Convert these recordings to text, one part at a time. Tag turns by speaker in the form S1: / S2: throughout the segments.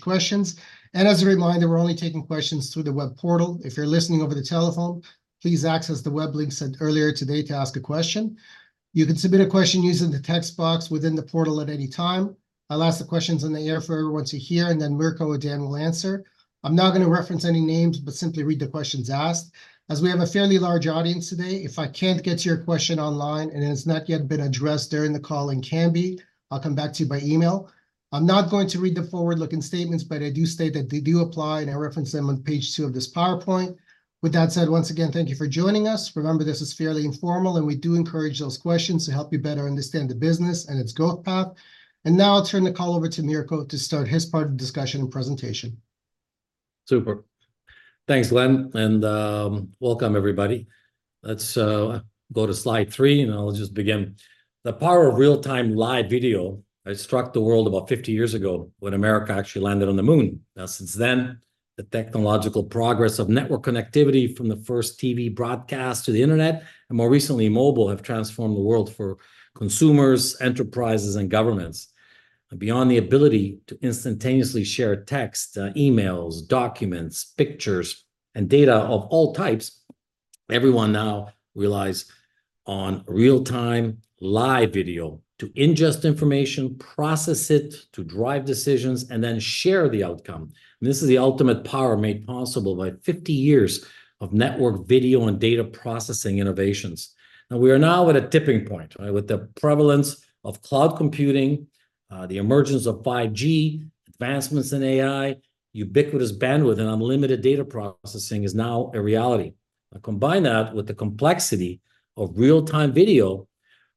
S1: Questions. As a reminder, we're only taking questions through the web portal. If you're listening over the telephone, please access the web link sent earlier today to ask a question. You can submit a question using the text box within the portal at any time. I'll ask the questions in the air for everyone to hear, and then Mirko or Dan will answer. I'm not gonna reference any names, but simply read the questions asked. As we have a fairly large audience today, if I can't get to your question online and it's not yet been addressed during the call and can be, I'll come back to you by email. I'm not going to read the forward-looking statements, but I do state that they do apply, and I reference them on page two of this PowerPoint. With that said, once again, thank you for joining us. Remember, this is fairly informal, and we do encourage those questions to help you better understand the business and its growth path. Now I'll turn the call over to Mirko to start his part of the discussion and presentation.
S2: Super. Thanks, Glen, and welcome, everybody. Let's go to slide three, and I'll just begin. The power of real-time live video has struck the world about 50 years ago, when America actually landed on the moon. Now, since then, the technological progress of network connectivity from the first TV broadcast to the Internet, and more recently, mobile, have transformed the world for consumers, enterprises, and governments. Beyond the ability to instantaneously share text, emails, documents, pictures, and data of all types, everyone now relies on real-time live video to ingest information, process it, to drive decisions, and then share the outcome. This is the ultimate power made possible by 50 years of network video and data processing innovations. Now, we are now at a tipping point, right? With the prevalence of cloud computing, the emergence of 5G, advancements in AI, ubiquitous bandwidth and unlimited data processing is now a reality. Now, combine that with the complexity of real-time video,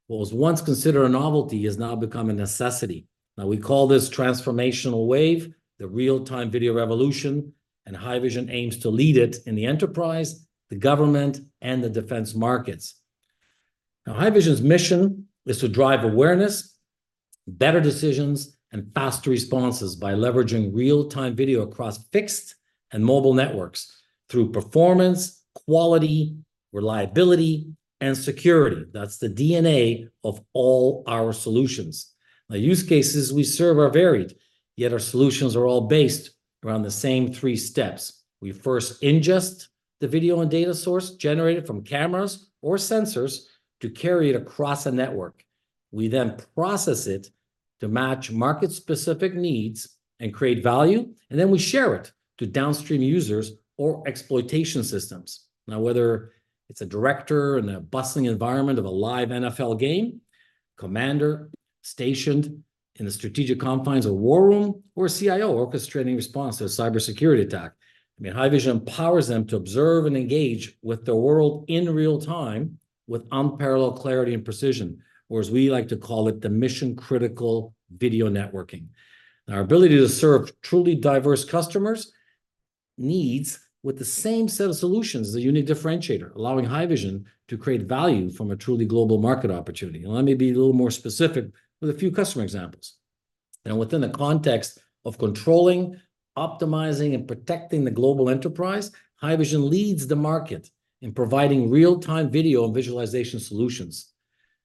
S2: what was once considered a novelty has now become a necessity. Now, we call this transformational wave the real-time video revolution, and Haivision aims to lead it in the enterprise, the government, and the defense markets. Now, Haivision's mission is to drive awareness, better decisions, and faster responses by leveraging real-time video across fixed and mobile networks through performance, quality, reliability, and security. That's the DNA of all our solutions. The use cases we serve are varied, yet our solutions are all based around the same three steps. We first ingest the video and data source generated from cameras or sensors to carry it across a network. We then process it to match market-specific needs and create value, and then we share it to downstream users or exploitation systems. Now, whether it's a director in a bustling environment of a live NFL game, commander stationed in the strategic confines of a war room, or a CIO orchestrating response to a cybersecurity attack, I mean, Haivision empowers them to observe and engage with the world in real time with unparalleled clarity and precision, or as we like to call it, the mission-critical video networking. Our ability to serve truly diverse customers' needs with the same set of solutions is a unique differentiator, allowing Haivision to create value from a truly global market opportunity. Let me be a little more specific with a few customer examples. Now, within the context of controlling, optimizing, and protecting the global enterprise, Haivision leads the market in providing real-time video and visualization solutions.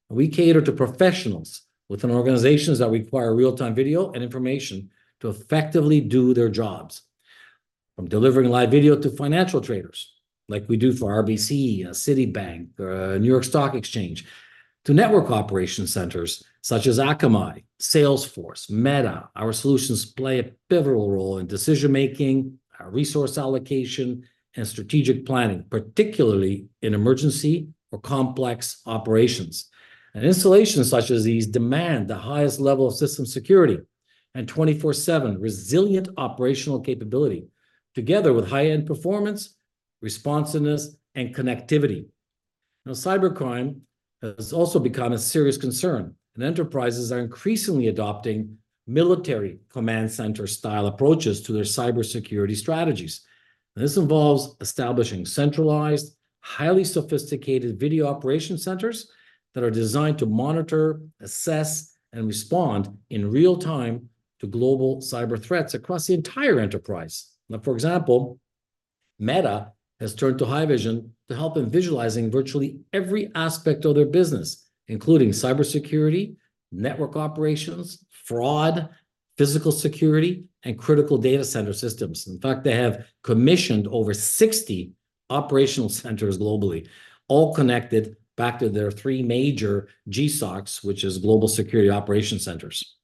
S2: We cater to professionals within organizations that require real-time video and information to effectively do their jobs. From delivering live video to financial traders, like we do for RBC, Citibank, New York Stock Exchange, to network operation centers such as Akamai, Salesforce, Meta, our solutions play a pivotal role in decision-making, resource allocation, and strategic planning, particularly in emergency or complex operations. Installations such as these demand the highest level of system security and 24/7 resilient operational capability, together with high-end performance, responsiveness, and connectivity. Now, cybercrime has also become a serious concern, and enterprises are increasingly adopting military command center-style approaches to their cybersecurity strategies. This involves establishing centralized, highly sophisticated video operation centers that are designed to monitor, assess, and respond in real time to global cyber threats across the entire enterprise. Now, for example, Meta has turned to Haivision to help in visualizing virtually every aspect of their business, including cybersecurity, network operations, fraud, physical security, and critical data center systems. In fact, they have commissioned over 60 operational centers globally, all connected back to their three major GSOCs, which is Global Security Operation Centers.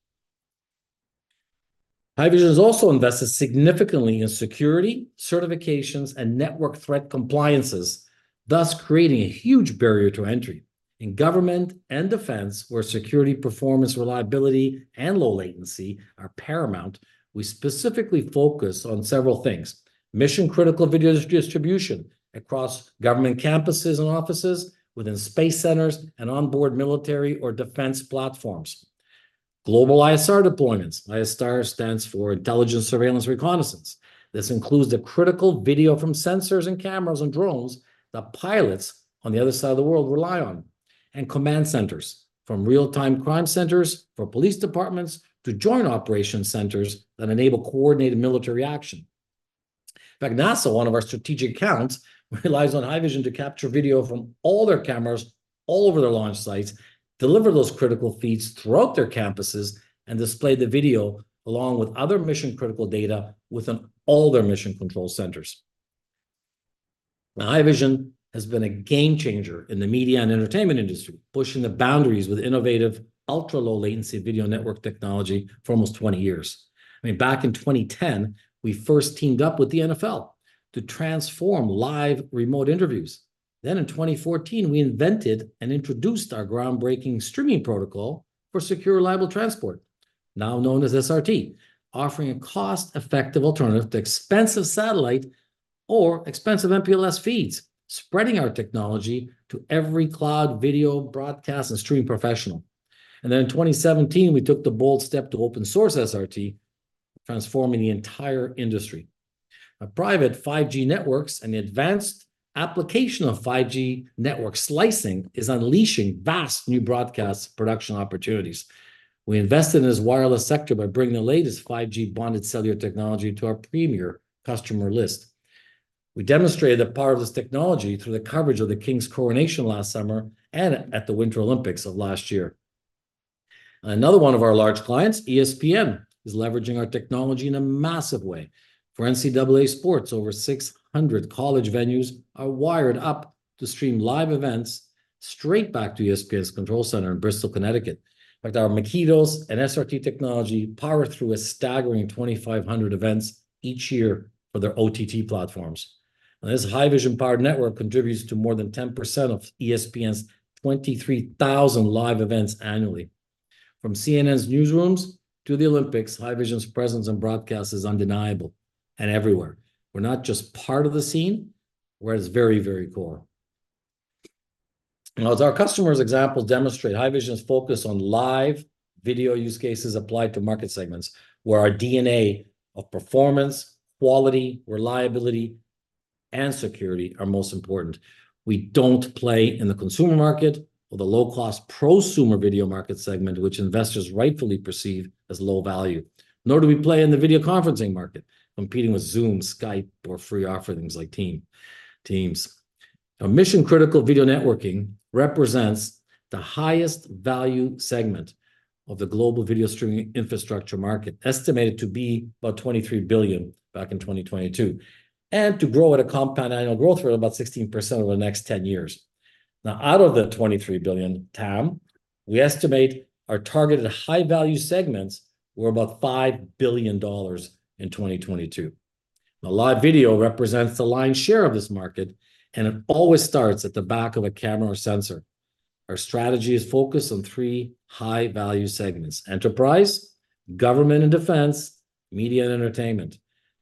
S2: Haivision has also invested significantly in security, certifications, and network threat compliances, thus creating a huge barrier to entry. In government and defense, where security, performance, reliability, and low latency are paramount, we specifically focus on several things: mission-critical video distribution across government campuses and offices, within space centers, and onboard military or defense platforms. Global ISR deployments. ISR stands for intelligence, surveillance, reconnaissance. This includes the critical video from sensors and cameras and drones that pilots on the other side of the world rely on. Command centers, from real-time crime centers for police departments to joint operation centers that enable coordinated military action. In fact, NASA, one of our strategic accounts, relies on Haivision to capture video from all their cameras all over their launch sites, deliver those critical feeds throughout their campuses, and display the video, along with other mission-critical data, within all their mission control centers. Now, Haivision has been a game changer in the media and entertainment industry, pushing the boundaries with innovative, ultra-low latency video network technology for almost 20 years. I mean, back in 2010, we first teamed up with the NFL to transform live remote interviews. Then in 2014, we invented and introduced our groundbreaking streaming protocol for secure, reliable transport, now known as SRT, offering a cost-effective alternative to expensive satellite or expensive MPLS feeds, spreading our technology to every cloud, video, broadcast, and streaming professional. And then in 2017, we took the bold step to open source SRT, transforming the entire industry. Now, private 5G networks and the advanced application of 5G network slicing is unleashing vast new broadcast production opportunities. We invested in this wireless sector by bringing the latest 5G bonded cellular technology to our premier customer list. We demonstrated the power of this technology through the coverage of the King's Coronation last summer and at the Winter Olympics of last year. Another one of our large clients, ESPN, is leveraging our technology in a massive way. For NCAA sports, over 600 college venues are wired up to stream live events straight back to ESPN's control center in Bristol, Connecticut. In fact, our Makitos and SRT technology power through a staggering 2,500 events each year for their OTT platforms. Now, this Haivision-powered network contributes to more than 10% of ESPN's 23,000 live events annually. From CNN's newsrooms to the Olympics, Haivision's presence in broadcast is undeniable and everywhere. We're not just part of the scene, we're at its very, very core. Now, as our customers' examples demonstrate, Haivision's focus on live video use cases applied to market segments, where our DNA of performance, quality, reliability, and security are most important. We don't play in the consumer market or the low-cost prosumer video market segment, which investors rightfully perceive as low value, nor do we play in the video conferencing market, competing with Zoom, Skype, or free offerings like Teams. Now, mission-critical video networking represents the highest value segment of the global video streaming infrastructure market, estimated to be about $23 billion in 2022, and to grow at a compound annual growth rate of about 16% over the next 10 years. Now, out of the $23 billion TAM, we estimate our targeted high-value segments were about $5 billion in 2022. Now, live video represents the lion's share of this market, and it always starts at the back of a camera or sensor. Our strategy is focused on three high-value segments: enterprise, government and defense, media and entertainment.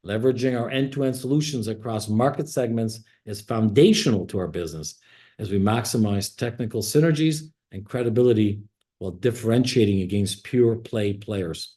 S2: Leveraging our end-to-end solutions across market segments is foundational to our business as we maximize technical synergies and credibility while differentiating against pure-play players.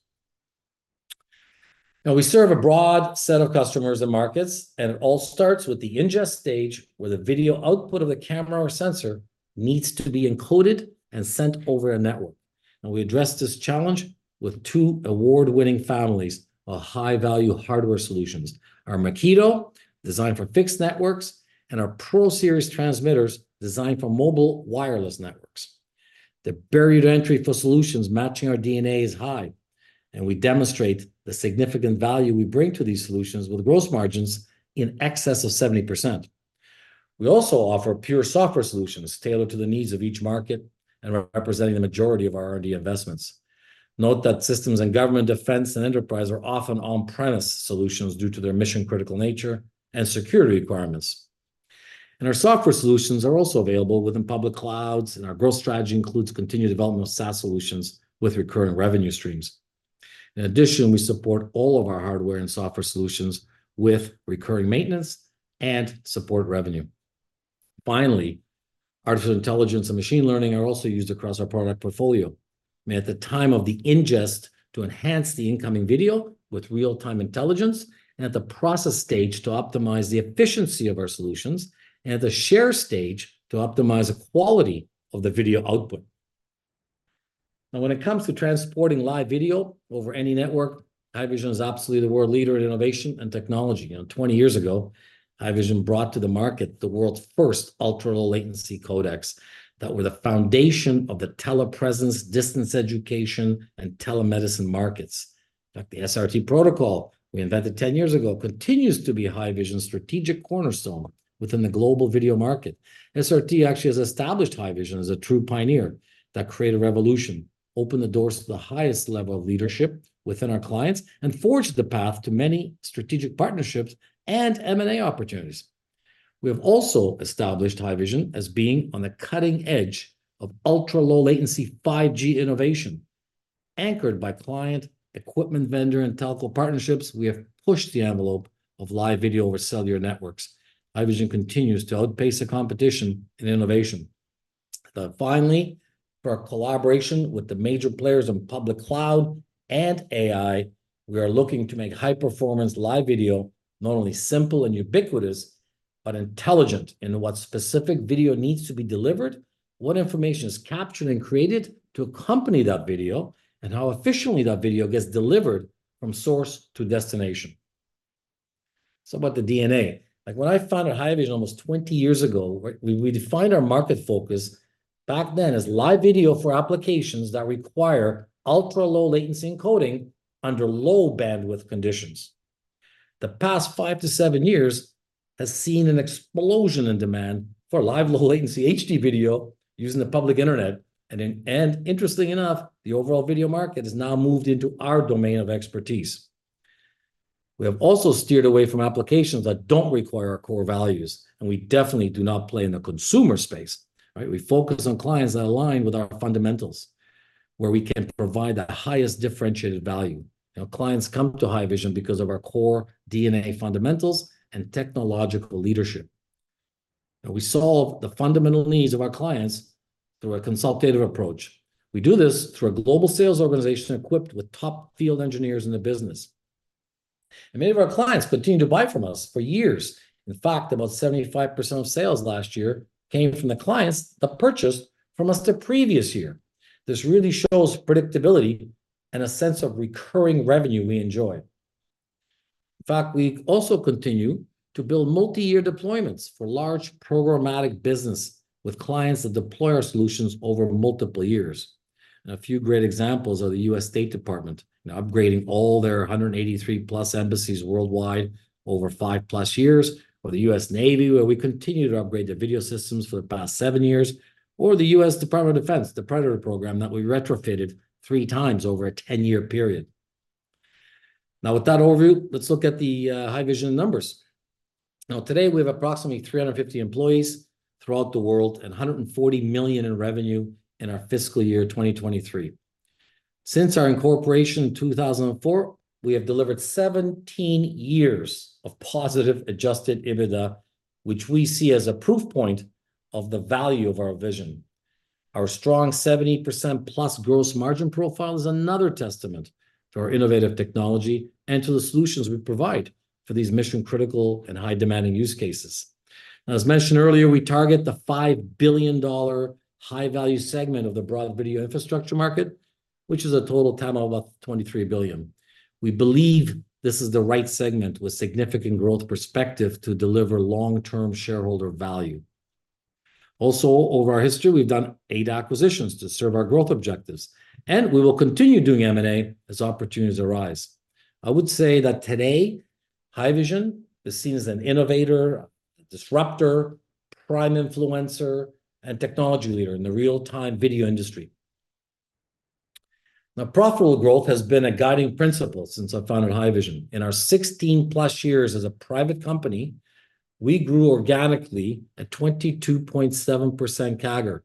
S2: Now, we serve a broad set of customers and markets, and it all starts with the ingest stage, where the video output of the camera or sensor needs to be encoded and sent over a network. Now, we address this challenge with two award-winning families of high-value hardware solutions: our Makito, designed for fixed networks, and our Pro Series transmitters, designed for mobile wireless networks. The barrier to entry for solutions matching our DNA is high, and we demonstrate the significant value we bring to these solutions with gross margins in excess of 70%. We also offer pure software solutions tailored to the needs of each market and representing the majority of our R&D investments. Note that systems and government defense and enterprise are often on-premise solutions due to their mission-critical nature and security requirements. Our software solutions are also available within public clouds, and our growth strategy includes continued development of SaaS solutions with recurring revenue streams. In addition, we support all of our hardware and software solutions with recurring maintenance and support revenue. Finally, artificial intelligence and machine learning are also used across our product portfolio, I mean, at the time of the ingest, to enhance the incoming video with real-time intelligence, and at the process stage, to optimize the efficiency of our solutions, and at the share stage, to optimize the quality of the video output. Now, when it comes to transporting live video over any network, Haivision is absolutely the world leader in innovation and technology. You know, 20 years ago, Haivision brought to the market the world's first ultra-low latency codecs that were the foundation of the telepresence, distance education, and telemedicine markets. In fact, the SRT protocol we invented 10 years ago continues to be Haivision's strategic cornerstone within the global video market. SRT actually has established Haivision as a true pioneer that created a revolution, opened the doors to the highest level of leadership within our clients, and forged the path to many strategic partnerships and M&A opportunities. We have also established Haivision as being on the cutting edge of ultra-low latency 5G innovation. Anchored by client, equipment vendor, and telco partnerships, we have pushed the envelope of live video over cellular networks. Haivision continues to outpace the competition in innovation. Finally, through our collaboration with the major players in public cloud and AI, we are looking to make high-performance live video not only simple and ubiquitous, but intelligent in what specific video needs to be delivered, what information is captured and created to accompany that video, and how efficiently that video gets delivered from source to destination. It's about the DNA. Like, when I founded Haivision almost 20 years ago, right, we defined our market focus back then as live video for applications that require ultra-low latency encoding under low bandwidth conditions. The past five to seven years has seen an explosion in demand for live low-latency HD video using the public internet, and interestingly enough, the overall video market has now moved into our domain of expertise. We have also steered away from applications that don't require our core values, and we definitely do not play in the consumer space, right? We focus on clients that align with our fundamentals, where we can provide the highest differentiated value. Now, clients come to Haivision because of our core DNA fundamentals and technological leadership, and we solve the fundamental needs of our clients through a consultative approach. We do this through a global sales organization equipped with top field engineers in the business, and many of our clients continue to buy from us for years. In fact, about 75% of sales last year came from the clients that purchased from us the previous year. This really shows predictability and a sense of recurring revenue we enjoy. In fact, we also continue to build multi-year deployments for large programmatic business with clients that deploy our solutions over multiple years. A few great examples are the U.S. State Department, now upgrading all their 183+ embassies worldwide over five plus years, or the U.S. Navy, where we continue to upgrade their video systems for the past seven years, or the U.S. Department of Defense, the Predator program that we retrofitted three times over a 10-year period. Now, with that overview, let's look at the Haivision numbers. Now, today, we have approximately 350 employees throughout the world and $140 million in revenue in our fiscal year 2023. Since our incorporation in 2004, we have delivered 17 years of positive Adjusted EBITDA, which we see as a proof point of the value of our vision. Our strong 70%+ gross margin profile is another testament to our innovative technology and to the solutions we provide for these mission-critical and high-demanding use cases. Now, as mentioned earlier, we target the $5 billion high-value segment of the broad video infrastructure market, which is a total TAM of about $23 billion. We believe this is the right segment with significant growth perspective to deliver long-term shareholder value. Also, over our history, we've done eight acquisitions to serve our growth objectives, and we will continue doing M&A as opportunities arise. I would say that today, Haivision is seen as an innovator, a disruptor, prime influencer, and technology leader in the real-time video industry. Now, profitable growth has been a guiding principle since I founded Haivision. In our 16+ years as a private company, we grew organically at 22.7% CAGR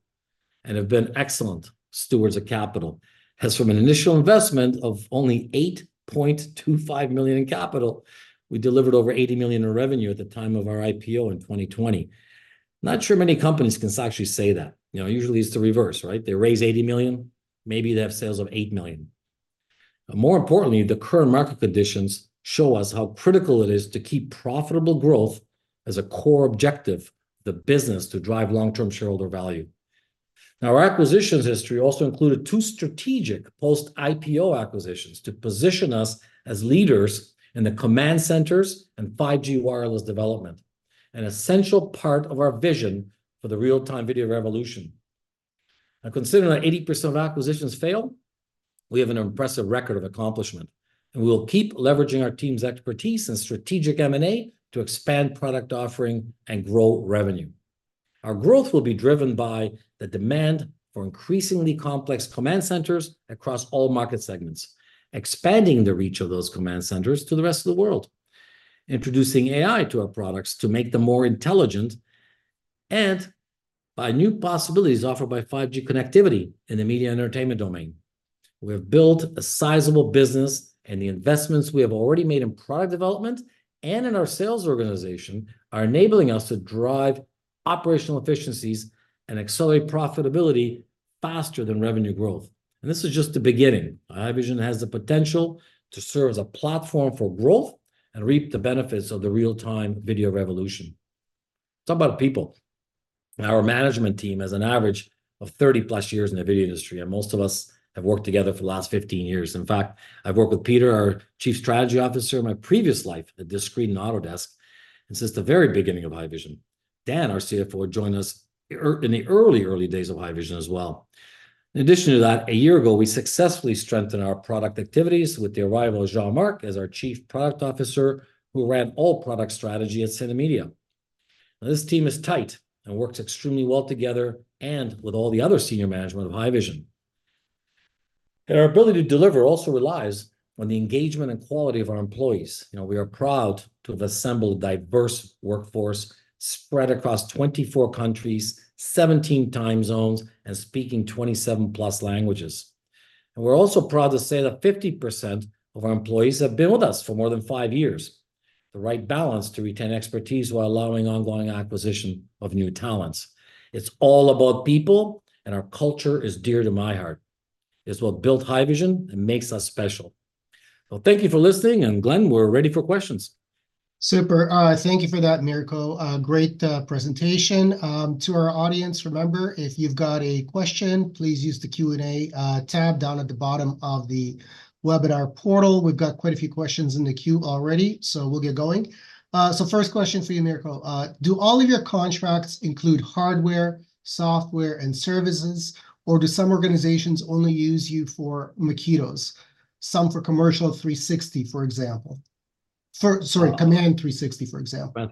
S2: and have been excellent stewards of capital, as from an initial investment of only $8.25 million in capital, we delivered over $80 million in revenue at the time of our IPO in 2020. Not sure many companies can actually say that. You know, usually it's the reverse, right? They raise $80 million, maybe they have sales of $8 million. Now, more importantly, the current market conditions show us how critical it is to keep profitable growth as a core objective of the business to drive long-term shareholder value. Now, our acquisitions history also included two strategic post-IPO acquisitions to position us as leaders in the command centers and 5G wireless development, an essential part of our vision for the real-time video revolution. Now, considering that 80% of acquisitions fail, we have an impressive record of accomplishment, and we will keep leveraging our team's expertise and strategic M&A to expand product offering and grow revenue. Our growth will be driven by the demand for increasingly complex command centers across all market segments, expanding the reach of those command centers to the rest of the world, introducing AI to our products to make them more intelligent, and by new possibilities offered by 5G connectivity in the media entertainment domain. We have built a sizable business, and the investments we have already made in product development and in our sales organization are enabling us to drive operational efficiencies and accelerate profitability faster than revenue growth. This is just the beginning. Haivision has the potential to serve as a platform for growth and reap the benefits of the real-time video revolution. Let's talk about people. Our management team has an average of 30+ years in the video industry, and most of us have worked together for the last 15 years. In fact, I've worked with Peter, our Chief Strategy Officer, in my previous life at Discreet Logic and Autodesk, and since the very beginning of Haivision. Dan, our CFO, joined us in the early, early days of Haivision as well. In addition to that, a year ago, we successfully strengthened our product activities with the arrival of Jean-Marc as our Chief Product Officer, who ran all product strategy at Synamedia. Now, this team is tight and works extremely well together and with all the other senior management of Haivision. Our ability to deliver also relies on the engagement and quality of our employees. You know, we are proud to have assembled a diverse workforce spread across 24 countries, 17 time zones, and speaking 27+ languages. We're also proud to say that 50% of our employees have been with us for more than five years, the right balance to retain expertise while allowing ongoing acquisition of new talents. It's all about people, and our culture is dear to my heart. Its what built Haivision and makes us special. Well, thank you for listening, and Glen, we're ready for questions.
S1: Super. Thank you for that, Mirko. A great presentation. To our audience, remember, if you've got a question, please use the Q&A tab down at the bottom of the webinar portal. We've got quite a few questions in the queue already, so we'll get going. So first question for you, Mirko. Do all of your contracts include hardware, software, and services, or do some organizations only use you for Makitos, some for commercial 360, for example? For, sorry, Command 360, for example.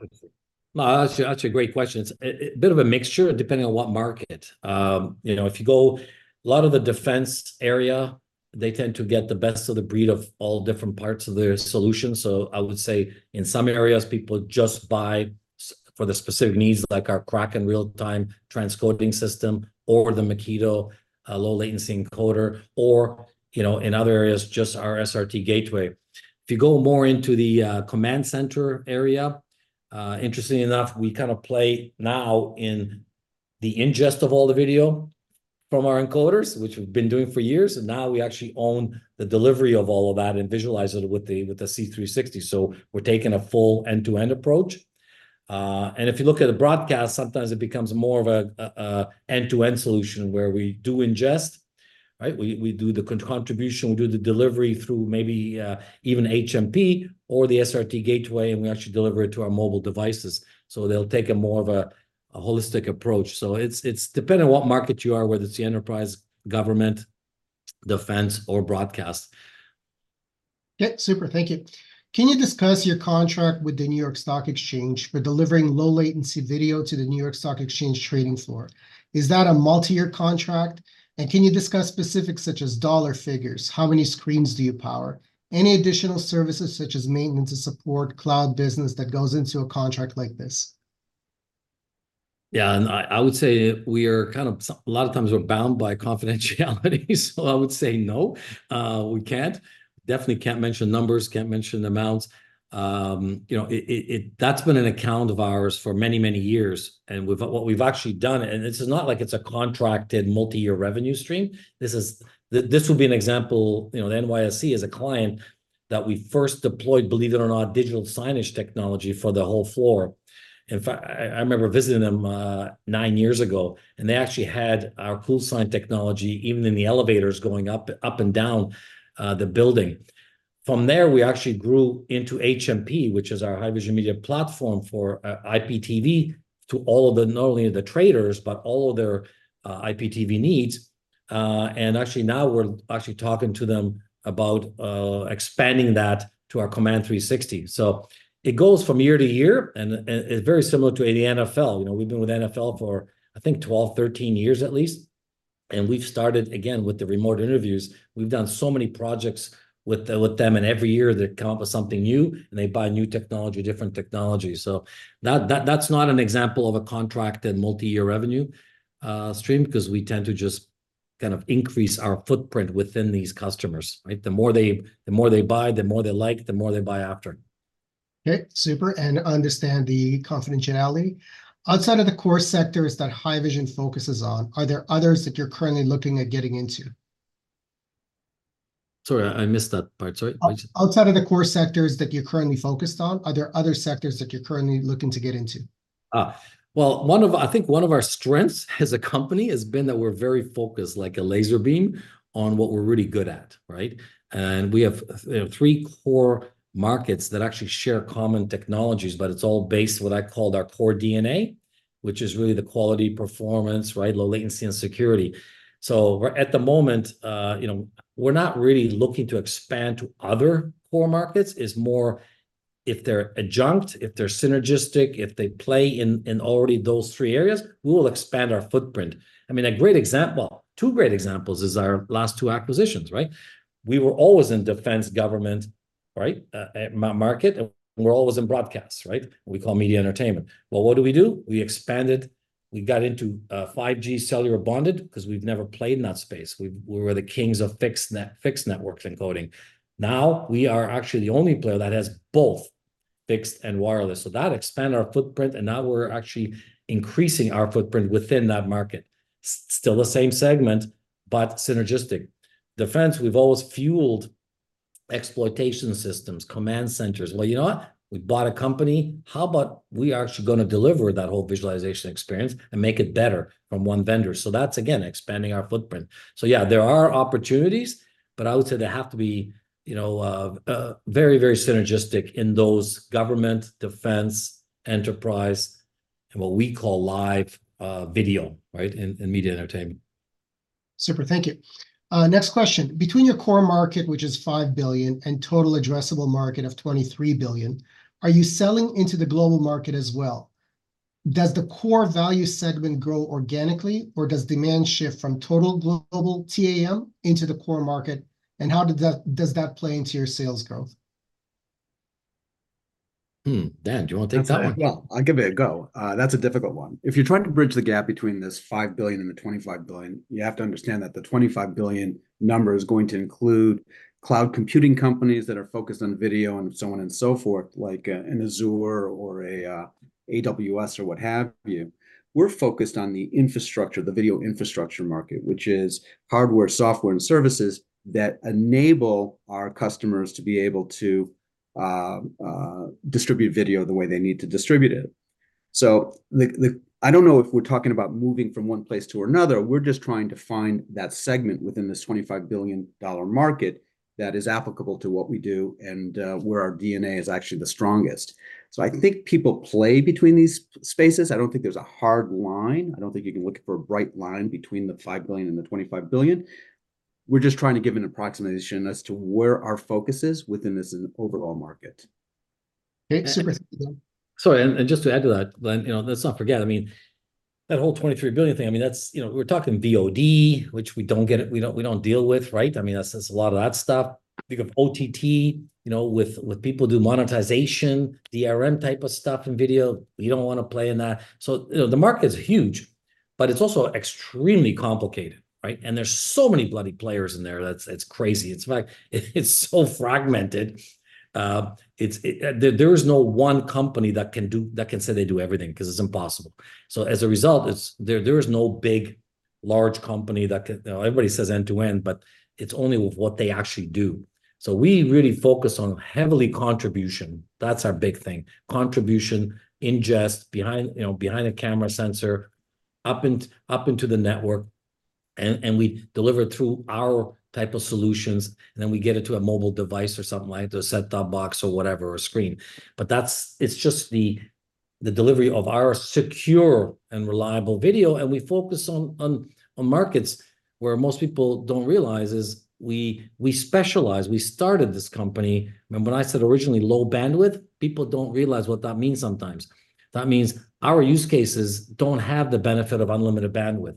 S2: No, that's, that's a great question. It's a, a bit of a mixture, depending on what market. You know, if you go a lot of the defense area, they tend to get the best of the breed of all different parts of their solution. So I would say in some areas, people just buy SRT for the specific needs, like our Kraken real-time transcoding system or the Makito low-latency encoder, or, you know, in other areas, just our SRT Gateway. If you go more into the command center area, interestingly enough, we kind of play now in the ingest of all the video from our encoders, which we've been doing for years, and now we actually own the delivery of all of that and visualize it with the, with the C360. So we're taking a full end-to-end approach. And if you look at the broadcast, sometimes it becomes more of an end-to-end solution, where we do ingest, right? We do the contribution, we do the delivery through maybe even HMP or the SRT Gateway, and we actually deliver it to our mobile devices. So they'll take more of a holistic approach. So it depends on what market you are, whether it's the enterprise, government, defense, or broadcast.
S1: Yeah, super. Thank you. Can you discuss your contract with the New York Stock Exchange for delivering low-latency video to the New York Stock Exchange trading floor? Is that a multi-year contract, and can you discuss specifics such as dollar figures? How many screens do you power? Any additional services such as maintenance and support, cloud business that goes into a contract like this?
S2: Yeah, and I would say we are kind of a lot of times we're bound by confidentiality so I would say no, we can't. Definitely can't mention numbers, can't mention amounts. You know, it. That's been an account of ours for many, many years, and we've, what we've actually done, and this is not like it's a contracted multi-year revenue stream. This is, this would be an example, you know, the NYSE is a client that we first deployed, believe it or not, digital signage technology for the whole floor. In fact, I remember visiting them nine years ago, and they actually had our CoolSign technology, even in the elevators going up, up and down the building. From there, we actually grew into HMP, which is our Haivision Media Platform for IPTV to all of the, not only the traders, but all of their IPTV needs. And actually now we're actually talking to them about expanding that to our Command 360. So it goes from year to year, and it's very similar to the NFL. You know, we've been with NFL for, I think, 12, 13 years at least, and we've started, again, with the remote interviews. We've done so many projects with them, and every year they come up with something new, and they buy new technology, different technology. So that, that's not an example of a contracted multi-year revenue stream, because we tend to just kind of increase our footprint within these customers, right? The more they—The more they buy, the more they like, the more they buy after.
S1: Okay, super, and understand the confidentiality. Outside of the core sectors that Haivision focuses on, are there others that you're currently looking at getting into?
S2: Sorry, I missed that part. Sorry, what'd you?
S1: Outside of the core sectors that you're currently focused on, are there other sectors that you're currently looking to get into?
S2: Well, I think one of our strengths as a company has been that we're very focused, like a laser beam, on what we're really good at, right? And we have, you know, three core markets that actually share common technologies, but it's all based on what I call our core DNA, which is really the quality, performance, right, low latency, and security. So we're, at the moment, you know, we're not really looking to expand to other core markets. It's more if they're adjunct, if they're synergistic, if they play in already those three areas, we will expand our footprint. I mean, a great example, two great examples is our last two acquisitions, right? We were always in defense, government market, and we're always in broadcast, right? We call media entertainment. Well, what do we do? We expanded. We got into 5G cellular bonded, 'cause we've never played in that space. We were the kings of fixed networks encoding. Now, we are actually the only player that has both fixed and wireless, so that expanded our footprint, and now we're actually increasing our footprint within that market. Still the same segment, but synergistic. Defense, we've always fueled exploitation systems, command centers. Well, you know what? We bought a company. How about we are actually gonna deliver that whole visualization experience and make it better from one vendor? So that's, again, expanding our footprint. So yeah, there are opportunities, but I would say they have to be, you know, very, very synergistic in those government, defense, enterprise, and what we call live video, right, and media entertainment.
S1: Super. Thank you. Next question: between your core market, which is $5 billion, and total addressable market of $23 billion, are you selling into the global market as well? Does the core value segment grow organically, or does demand shift from total global TAM into the core market, and how does that, does that play into your sales growth?
S2: Hmm, Dan, do you wanna take that one?
S3: Well, I'll give it a go. That's a difficult one. If you're trying to bridge the gap between this $5 billion and the $25 billion, you have to understand that the $25 billion number is going to include cloud computing companies that are focused on video, and so on and so forth, like, an Azure or a, AWS or what have you. We're focused on the infrastructure, the video infrastructure market, which is hardware, software, and services that enable our customers to be able to distribute video the way they need to distribute it. So the I don't know if we're talking about moving from one place to another. We're just trying to find that segment within this $25 billion market that is applicable to what we do, and, where our DNA is actually the strongest. I think people play between these spaces. I don't think there's a hard line. I don't think you can look for a bright line between the $5 billion and the $25 billion. We're just trying to give an approximation as to where our focus is within this overall market.
S1: Okay, super.
S2: Sorry, and just to add to that, Glen, you know, let's not forget, I mean, that whole $23 billion thing, I mean, that's, you know, we're talking VOD, which we don't get it. We don't, we don't deal with, right? I mean, that's, that's a lot of that stuff. Think of OTT, you know, with, with people do monetization, DRM type of stuff in video. We don't wanna play in that. So, you know, the market is huge, but it's also extremely complicated, right? And there's so many bloody players in there, that's, it's crazy. It's like it's so fragmented. It's, there is no one company that can do that can say they do everything, 'cause it's impossible. So as a result, it's. There is no big, large company that can. You know, everybody says end-to-end, but it's only with what they actually do. So we really focus on heavily contribution. That's our big thing, contribution, ingest, behind, you know, behind a camera sensor, up into the network, and we deliver it through our type of solutions, and then we get it to a mobile device or something like that, a set-top box or whatever, a screen. But that's... It's just the delivery of our secure and reliable video, and we focus on markets where most people don't realize is we specialize. We started this company, remember when I said originally low bandwidth? People don't realize what that means sometimes. That means our use cases don't have the benefit of unlimited bandwidth,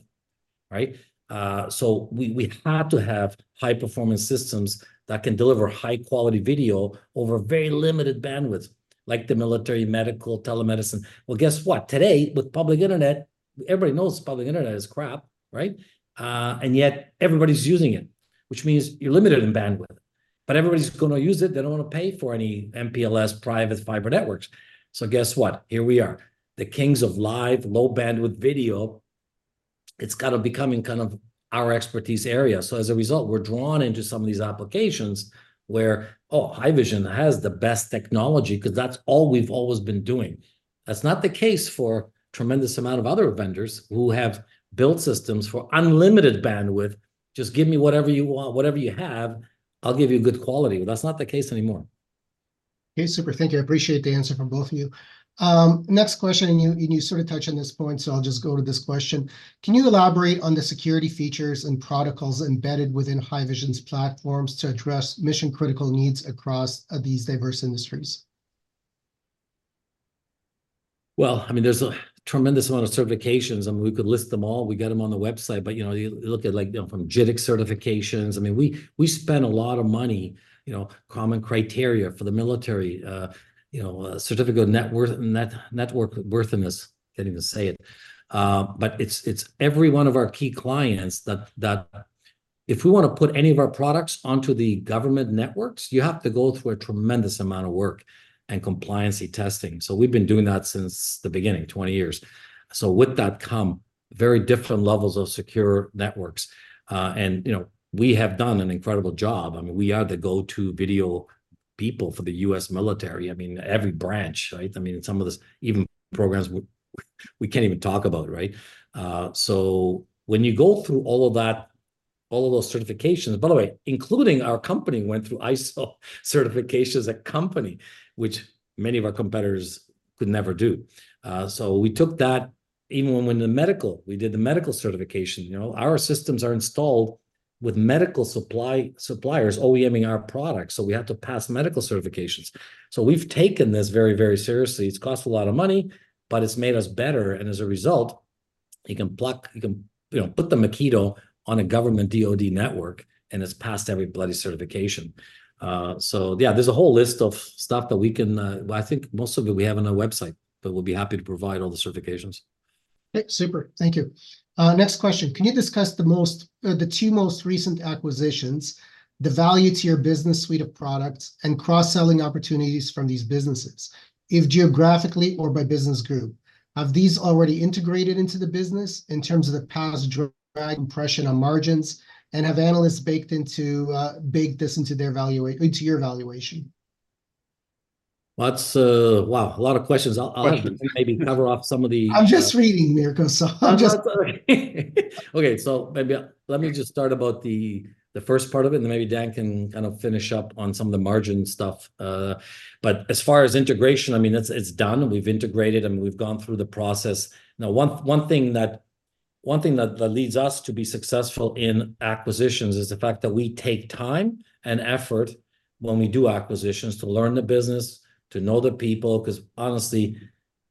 S2: right? So we have to have high-performance systems that can deliver high-quality video over very limited bandwidth, like the military, medical, telemedicine. Well, guess what? Today, with public internet, everybody knows public internet is crap, right? And yet everybody's using it, which means you're limited in bandwidth. But everybody's gonna use it. They don't wanna pay for any MPLS private fiber networks. So guess what? Here we are, the kings of live, low-bandwidth video. It's kinda becoming kind of our expertise area. So as a result, we're drawn into some of these applications where, oh, Haivision has the best technology, 'cause that's all we've always been doing. That's not the case for tremendous amount of other vendors who have built systems for unlimited bandwidth. Just give me whatever you want, whatever you have, I'll give you good quality. Well, that's not the case anymore.
S1: Okay, super. Thank you. I appreciate the answer from both of you. Next question, and you, and you sort of touched on this point, so I'll just go to this question. Can you elaborate on the security features and protocols embedded within Haivision's platforms to address mission-critical needs across, these diverse industries?
S2: Well, I mean, there's a tremendous amount of certifications, and we could list them all. We got them on the website, but, you know, you look at, like, you know, from JITC certifications. I mean, we spent a lot of money, you know, Common Criteria for the military, certificate of Networthiness. Can't even say it. But it's every one of our key clients that if we wanna put any of our products onto the government networks, you have to go through a tremendous amount of work and compliance testing. So we've been doing that since the beginning, 20 years. So with that come very different levels of secure networks. And, you know, we have done an incredible job. I mean, we are the go-to video people for the U.S. military. I mean, every branch, right? I mean, some of this, even programs we, we can't even talk about, right? So when you go through all of that, all of those certifications, by the way, including our company went through ISO certification as a company, which many of our competitors could never do. So we took that even when the medical, we did the medical certification. You know, our systems are installed with medical supply, suppliers OEM-ing our products, so we have to pass medical certifications. So we've taken this very, very seriously. It's cost a lot of money, but it's made us better, and as a result, you can pluck, you can, you know, put the Makito on a government DoD network, and it's passed every bloody certification. So yeah, there's a whole list of stuff that we can—Well, I think most of it we have on our website, but we'll be happy to provide all the certifications.
S1: Super. Thank you. Next question: Can you discuss the most, the two most recent acquisitions, the value to your business suite of products, and cross-selling opportunities from these businesses, if geographically or by business group? Have these already integrated into the business in terms of the past drag impression on margins, and have analysts baked into, baked this into their valuation - into your valuation?
S2: That's... Wow, a lot of questions. I'll have to maybe cover off some of the...
S1: I'm just reading here, so I'm just.
S2: Okay, so maybe let me just start about the first part of it, and then maybe Dan can kind of finish up on some of the margin stuff. But as far as integration, I mean, it's done. We've integrated, and we've gone through the process. Now, one thing that leads us to be successful in acquisitions is the fact that we take time and effort when we do acquisitions to learn the business, to know the people, 'cause honestly,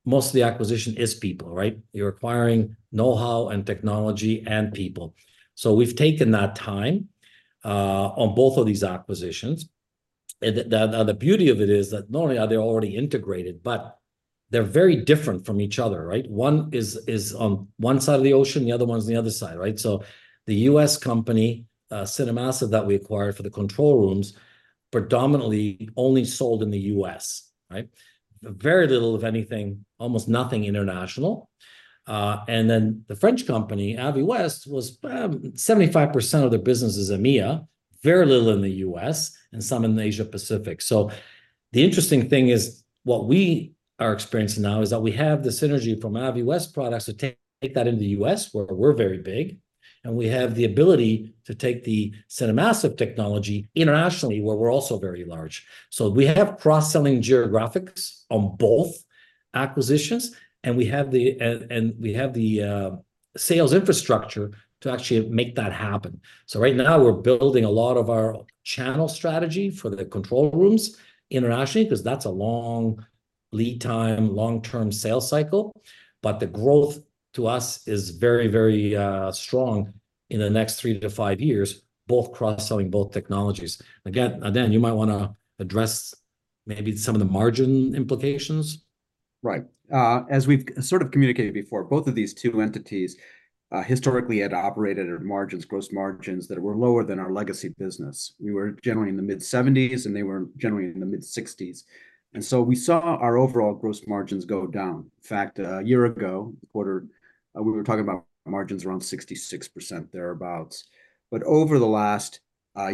S2: most of the acquisition is people, right? You're acquiring know-how and technology and people. So we've taken that time on both of these acquisitions. And the beauty of it is that not only are they already integrated, but they're very different from each other, right? One is on one side of the ocean, the other one's on the other side, right? So the U.S. company, CineMassive, that we acquired for the control rooms, predominantly only sold in the U.S., right? Very little, if anything, almost nothing international. And then the French company, AVIWEST, was 75% of their business is EMEA, very little in the U.S., and some in the Asia Pacific. So the interesting thing is, what we are experiencing now is that we have the synergy from AVIWEST products to take that into the U.S., where we're very big, and we have the ability to take the CineMassive technology internationally, where we're also very large. So we have cross-selling geographics on both acquisitions, and we have the sales infrastructure to actually make that happen. So right now, we're building a lot of our channel strategy for the control rooms internationally, 'cause that's a long lead time, long-term sales cycle. But the growth to us is very, very strong in the next three to five years, both cross-selling both technologies. Again, Dan, you might wanna address maybe some of the margin implications.
S3: Right. As we've sort of communicated before, both of these two entities, historically had operated at margins, gross margins that were lower than our legacy business. We were generally in the mid-70s, and they were generally in the mid-60s. And so we saw our overall gross margins go down. In fact, a year ago quarter, we were talking about margins around 66%, thereabouts. But over the last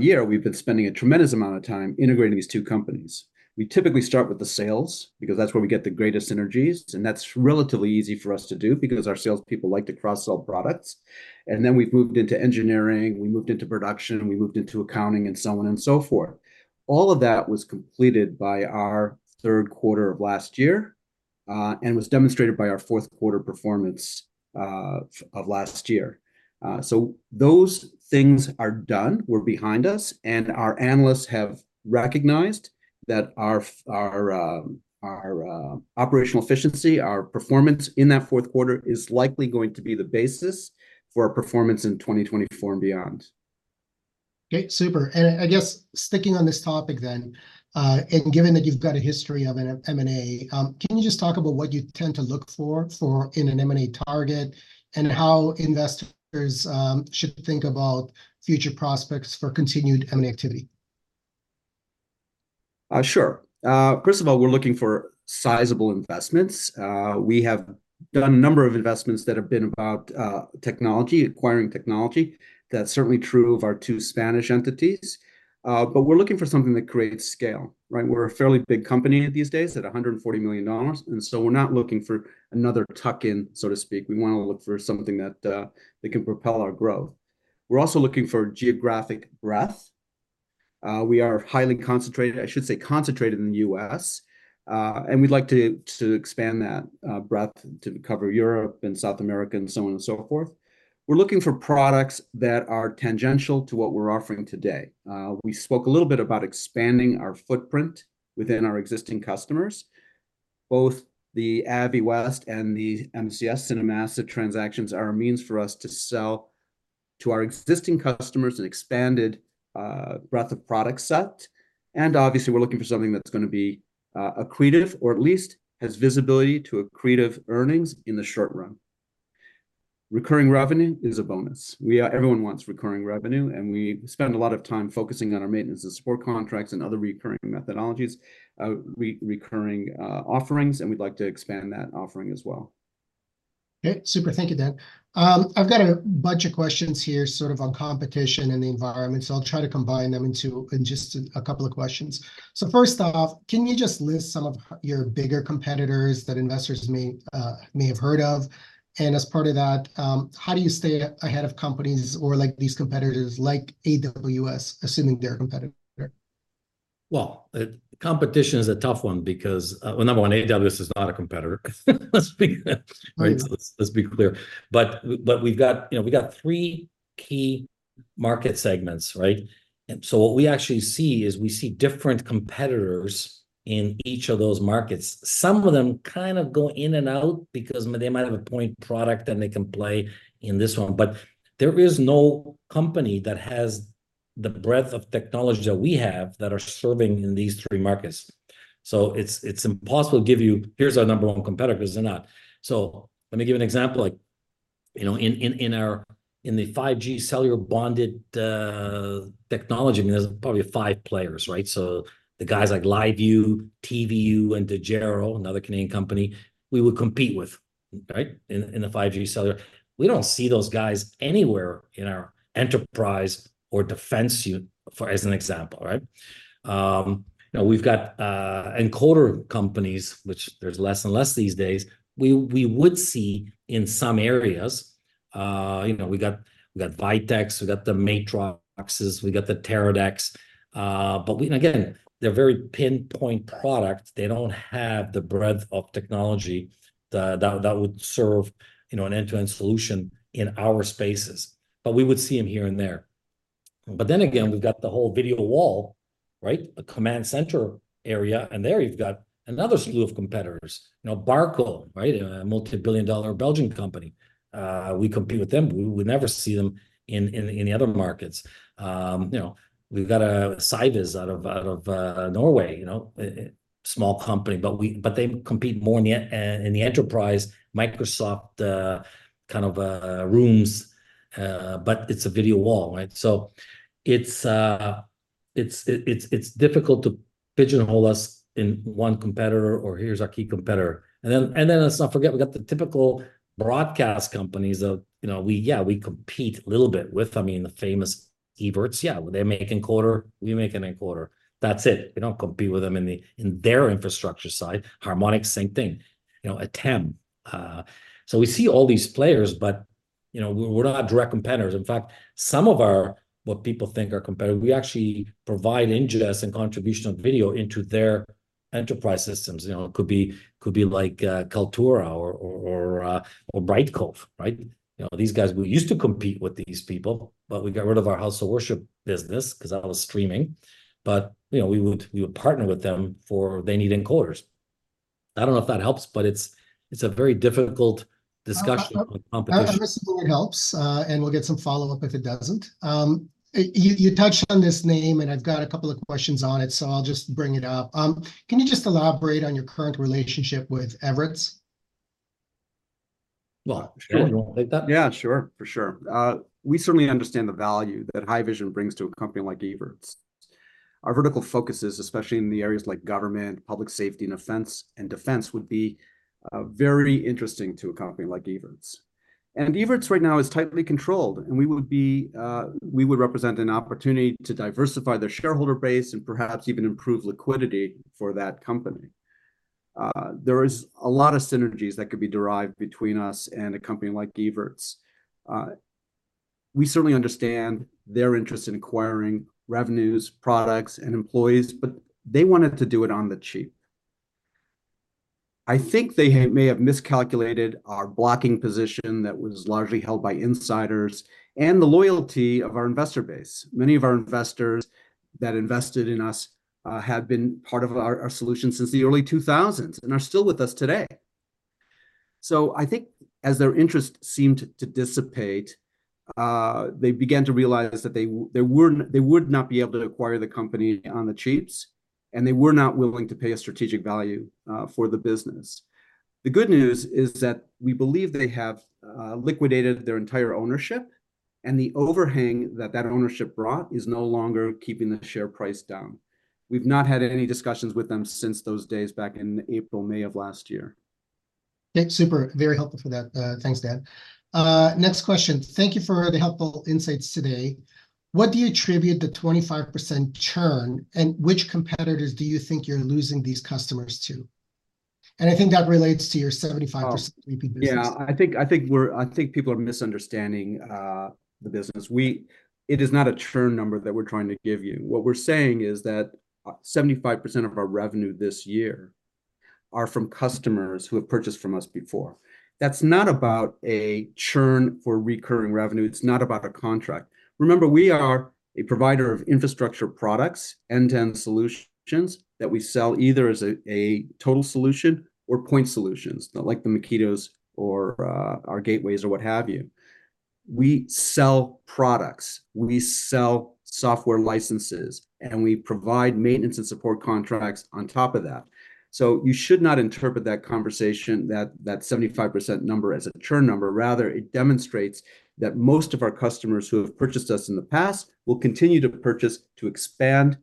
S3: year, we've been spending a tremendous amount of time integrating these two companies. We typically start with the sales, because that's where we get the greatest synergies, and that's relatively easy for us to do, because our sales people like to cross-sell products. And then we've moved into engineering, we moved into production, we moved into accounting, and so on and so forth. All of that was completed by our third quarter of last year, and was demonstrated by our fourth quarter performance of last year. So those things are done, we're behind us, and our analysts have recognized that our operational efficiency, our performance in that fourth quarter, is likely going to be the basis for our performance in 2024 and beyond.
S1: Great. Super, and I guess sticking on this topic then, and given that you've got a history of an M&A, can you just talk about what you tend to look for in an M&A target, and how investors should think about future prospects for continued M&A activity?
S3: Sure. First of all, we're looking for sizable investments. We have done a number of investments that have been about, technology, acquiring technology. That's certainly true of our two Spanish entities. But we're looking for something that creates scale, right? We're a fairly big company these days at $140 million, and so we're not looking for another tuck-in, so to speak. We wanna look for something that, that can propel our growth. We're also looking for geographic breadth. We are highly concentrated, I should say, concentrated in the U.S., and we'd like to, to expand that, breadth to cover Europe and South America, and so on and so forth. We're looking for products that are tangential to what we're offering today. We spoke a little bit about expanding our footprint within our existing customers. Both the AVIWEST and the CineMassive transactions are a means for us to sell to our existing customers an expanded breadth of product set, and obviously, we're looking for something that's gonna be accretive, or at least has visibility to accretive earnings in the short run. Recurring revenue is a bonus. Everyone wants recurring revenue, and we spend a lot of time focusing on our maintenance and support contracts and other recurring methodologies, recurring offerings, and we'd like to expand that offering as well.
S1: Great. Super. Thank you, Dan. I've got a bunch of questions here, sort of on competition and the environment, so I'll try to combine them into just a couple of questions. So first off, can you just list some of your bigger competitors that investors may have heard of? And as part of that, how do you stay ahead of companies or, like, these competitors, like AWS, assuming they're a competitor?
S2: Well, competition is a tough one because, well, number one, AWS is not a competitor, let's be clear.
S1: Right.
S2: Let's, let's be clear. But, but we've got, you know, we've got three key market segments, right? And so what we actually see is we see different competitors in each of those markets. Some of them kind of go in and out because they might have a point product, and they can play in this one. But there is no company that has the breadth of technology that we have that are serving in these three markets. So it's, it's impossible to give you, "Here's our number one competitor," 'cause they're not. So lemme give you an example, like, you know, in, in, in our, in the 5G cellular bonded, technology, I mean, there's probably five players, right? So the guys like LiveU, TVU, and Dejero, another Canadian company, we would compete with, right, in, in the 5G cellular. We don't see those guys anywhere in our enterprise or defense unit, for example, right? Now, we've got encoder companies, which there's less and less these days, we would see in some areas. You know, we got VITEC, we got the Matroxes, we got the Teradeks. But we, again, they're very pinpoint products. They don't have the breadth of technology that would serve, you know, an end-to-end solution in our spaces. But we would see 'em here and there. But then again, we've got the whole video wall, right? A command center area, and there you've got another slew of competitors. You know, Barco, right, a multi-billion dollar Belgian company. We compete with them, but we would never see them in the other markets. You know, we've got Cyviz out of Norway, you know? Small company, but they compete more in the enterprise Microsoft kind of rooms, but it's a video wall, right? So it's difficult to pigeonhole us in one competitor, or here's our key competitor. Then let's not forget, we've got the typical broadcast companies that, you know, we, yeah, we compete a little bit with, I mean, the famous Evertz. Yeah, well, they make encoder, we make an encoder. That's it. We don't compete with them in their infrastructure side. Harmonic, same thing, you know, Ateme. So we see all these players, but, you know, we're not direct competitors. In fact, some of our, what people think are competitor, we actually provide ingest and contributional video into their enterprise systems. You know, it could be, could be like, Kaltura or Brightcove, right? You know, these guys, we used to compete with these people, but we got rid of our house of worship business 'cause that was streaming. But, you know, we would partner with them, for they need encoders. I don't know if that helps, but it's a very difficult discussion on competition.
S1: I'm assuming it helps, and we'll get some follow-up if it doesn't. You touched on this name, and I've got a couple of questions on it, so I'll just bring it up. Can you just elaborate on your current relationship with Evertz?
S2: Well, sure. You wanna take that?
S3: Yeah, sure. For sure. We certainly understand the value that Haivision brings to a company like Evertz. Our vertical focuses, especially in the areas like government, public safety, and offense, and defense, would be very interesting to a company like Evertz. And Evertz right now is tightly controlled, and we would be, we would represent an opportunity to diversify their shareholder base and perhaps even improve liquidity for that company. There is a lot of synergies that could be derived between us and a company like Evertz. We certainly understand their interest in acquiring revenues, products, and employees, but they wanted to do it on the cheap. I think they may have miscalculated our blocking position that was largely held by insiders and the loyalty of our investor base. Many of our investors that invested in us have been part of our solution since the early 2000s, and are still with us today. So I think as their interest seemed to dissipate, they began to realize that they weren't, they would not be able to acquire the company on the cheap, and they were not willing to pay a strategic value for the business. The good news is that we believe they have liquidated their entire ownership, and the overhang that that ownership brought is no longer keeping the share price down. We've not had any discussions with them since those days back in April, May of last year.
S1: Yeah, super. Very helpful for that, thanks, Dan. Next question: Thank you for the helpful insights today. What do you attribute the 25% churn, and which competitors do you think you're losing these customers to? And I think that relates to your 75% repeat business.
S3: Oh, yeah, I think people are misunderstanding the business. It is not a churn number that we're trying to give you. What we're saying is that 75% of our revenue this year are from customers who have purchased from us before. That's not about a churn for recurring revenue, it's not about a contract. Remember, we are a provider of infrastructure products, end-to-end solutions, that we sell either as a total solution or point solutions, like the Makito or our gateways or what have you. We sell products, we sell software licenses, and we provide maintenance and support contracts on top of that. So you should not interpret that conversation, that 75% number, as a churn number. Rather, it demonstrates that most of our customers who have purchased us in the past will continue to purchase to expand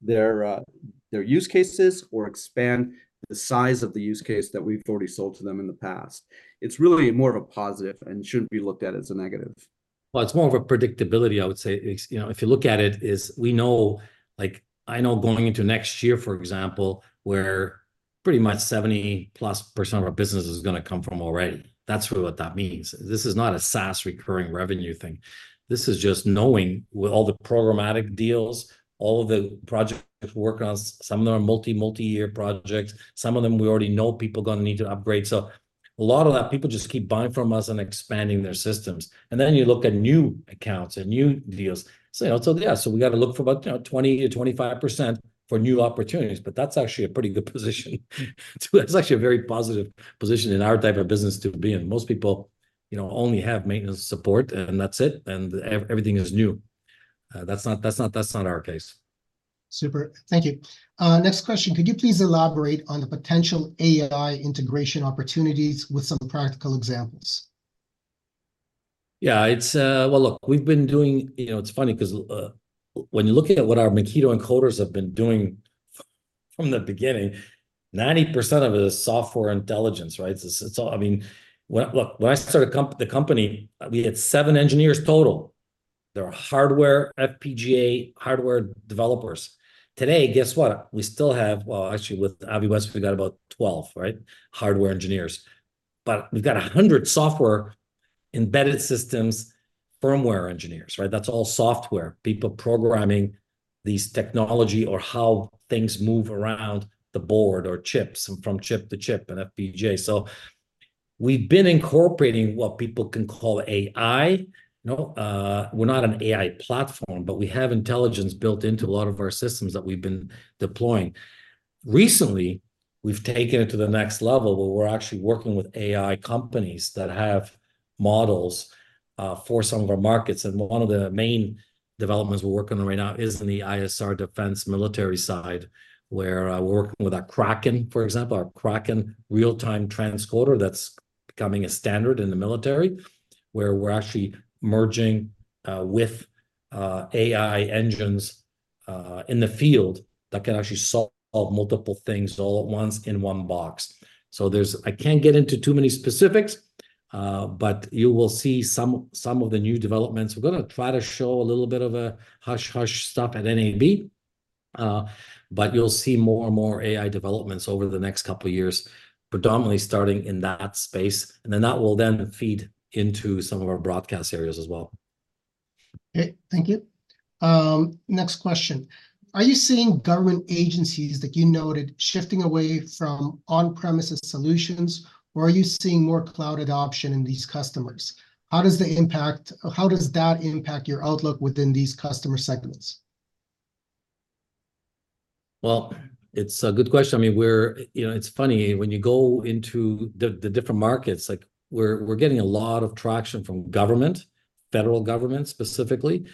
S3: their use cases, or expand the size of the use case that we've already sold to them in the past. It's really more of a positive and shouldn't be looked at as a negative.
S2: Well, it's more of a predictability, I would say. It's, you know, if you look at it, is we know, like, I know going into next year, for example, where pretty much 70+% of our business is gonna come from already. That's really what that means. This is not a SaaS recurring revenue thing. This is just knowing, with all the programmatic deals, all of the projects we're working on, some of them are multi, multi-year projects, some of them we already know people are gonna need to upgrade. So a lot of that, people just keep buying from us and expanding their systems. And then you look at new accounts and new deals. So, you know, so yeah, so we gotta look for about, you know, 20%-25% for new opportunities, but that's actually a pretty good position. So it's actually a very positive position in our type of business to be in. Most people, you know, only have maintenance support, and that's it, and everything is new. That's not, that's not, that's not our case.
S1: Super. Thank you. Next question: Could you please elaborate on the potential AI integration opportunities with some practical examples?
S2: Yeah, it's—Well, look, we've been doing. You know, it's funny 'cause, when you're looking at what our Makito encoders have been doing from the beginning, 90% of it is software intelligence, right? So, so, I mean, when, look, when I started the company, we had seven engineers total. They were hardware, FPGA hardware developers. Today, guess what? We still have, well, actually, with AVIWEST, we've got about 12, right? Hardware engineers. But we've got 100 software embedded systems, firmware engineers, right? That's all software, people programming these technology or how things move around the board or chips, and from chip to chip in FPGA. So we've been incorporating what people can call AI. No, we're not an AI platform, but we have intelligence built into a lot of our systems that we've been deploying. Recently, we've taken it to the next level, where we're actually working with AI companies that have models for some of our markets. One of the main developments we're working on right now is in the ISR defense military side, where we're working with our Kraken, for example, our Kraken real-time transcoder, that's becoming a standard in the military. Where we're actually merging with AI engines in the field that can actually solve multiple things all at once in one box. So, I can't get into too many specifics, but you will see some of the new developments. We're gonna try to show a little bit of a hush-hush stuff at NAB, but you'll see more and more AI developments over the next couple years, predominantly starting in that space, and then that will then feed into some of our broadcast areas as well.
S1: Okay, thank you. Next question: Are you seeing government agencies, like you noted, shifting away from on-premises solutions, or are you seeing more cloud adoption in these customers? How does they impact or how does that impact your outlook within these customer segments?
S2: Well, it's a good question. I mean, we're, you know, it's funny, when you go into the different markets, like, we're getting a lot of traction from government, federal government specifically,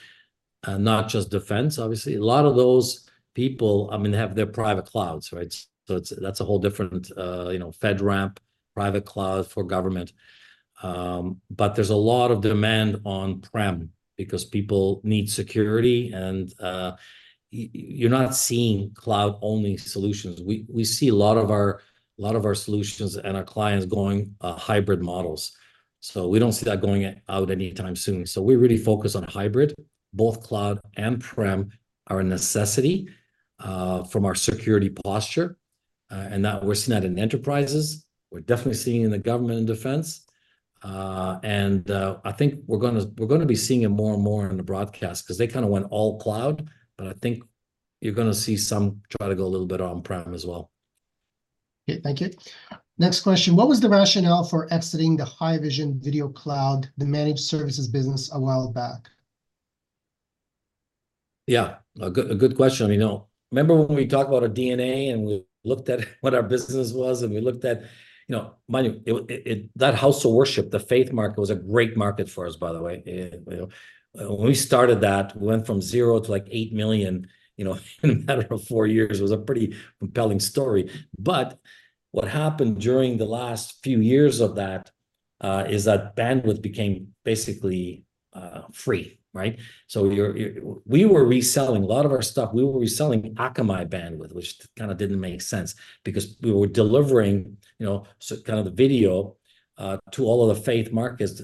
S2: not just defense. Obviously, a lot of those people, I mean, have their private clouds, right? So it's—that's a whole different, you know, FedRAMP private cloud for government. But there's a lot of demand on-prem because people need security, and, you're not seeing cloud-only solutions. We see a lot of our solutions and our clients going hybrid models, so we don't see that going out anytime soon. So we really focus on hybrid. Both cloud and prem are a necessity, from our security posture, and that we're seeing that in enterprises, we're definitely seeing it in the government and defense. I think we're gonna be seeing it more and more in the broadcast, 'cause they kinda went all cloud, but I think you're gonna see some try to go a little bit on-prem as well.
S1: Okay, thank you. Next question: What was the rationale for exiting the Haivision Video Cloud, the managed services business, a while back?
S2: Yeah, a good question. You know, remember when we talked about our DNA, and we looked at what our business was, and we looked at, you know, mind you, it. That house of worship, the faith market, was a great market for us, by the way. It, you know. When we started that, we went from zero to, like, 8 million, you know, in a matter of four years. It was a pretty compelling story. But what happened during the last few years of that, is that bandwidth became basically free, right? So we were reselling a lot of our stuff. We were reselling Akamai bandwidth, which kinda didn't make sense, because we were delivering, you know, so kind of the video to all of the faith markets.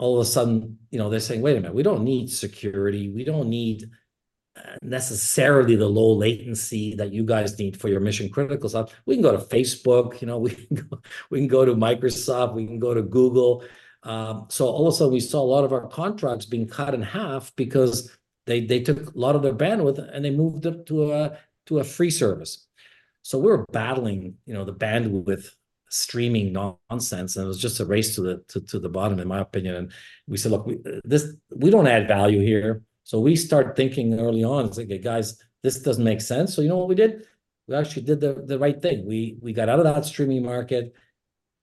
S2: All of a sudden, you know, they're saying, "Wait a minute, we don't need security. We don't need necessarily the low latency that you guys need for your mission-critical stuff. We can go to Facebook, you know? We can go to Microsoft, we can go to Google." So all of a sudden, we saw a lot of our contracts being cut in half because they took a lot of their bandwidth, and they moved it to a free service. So we were battling, you know, the bandwidth with streaming nonsense, and it was just a race to the bottom, in my opinion. And we said, "Look, this, we don't add value here." So we start thinking early on and saying, "Hey, guys, this doesn't make sense." So you know what we did? We actually did the right thing. We got out of that streaming market.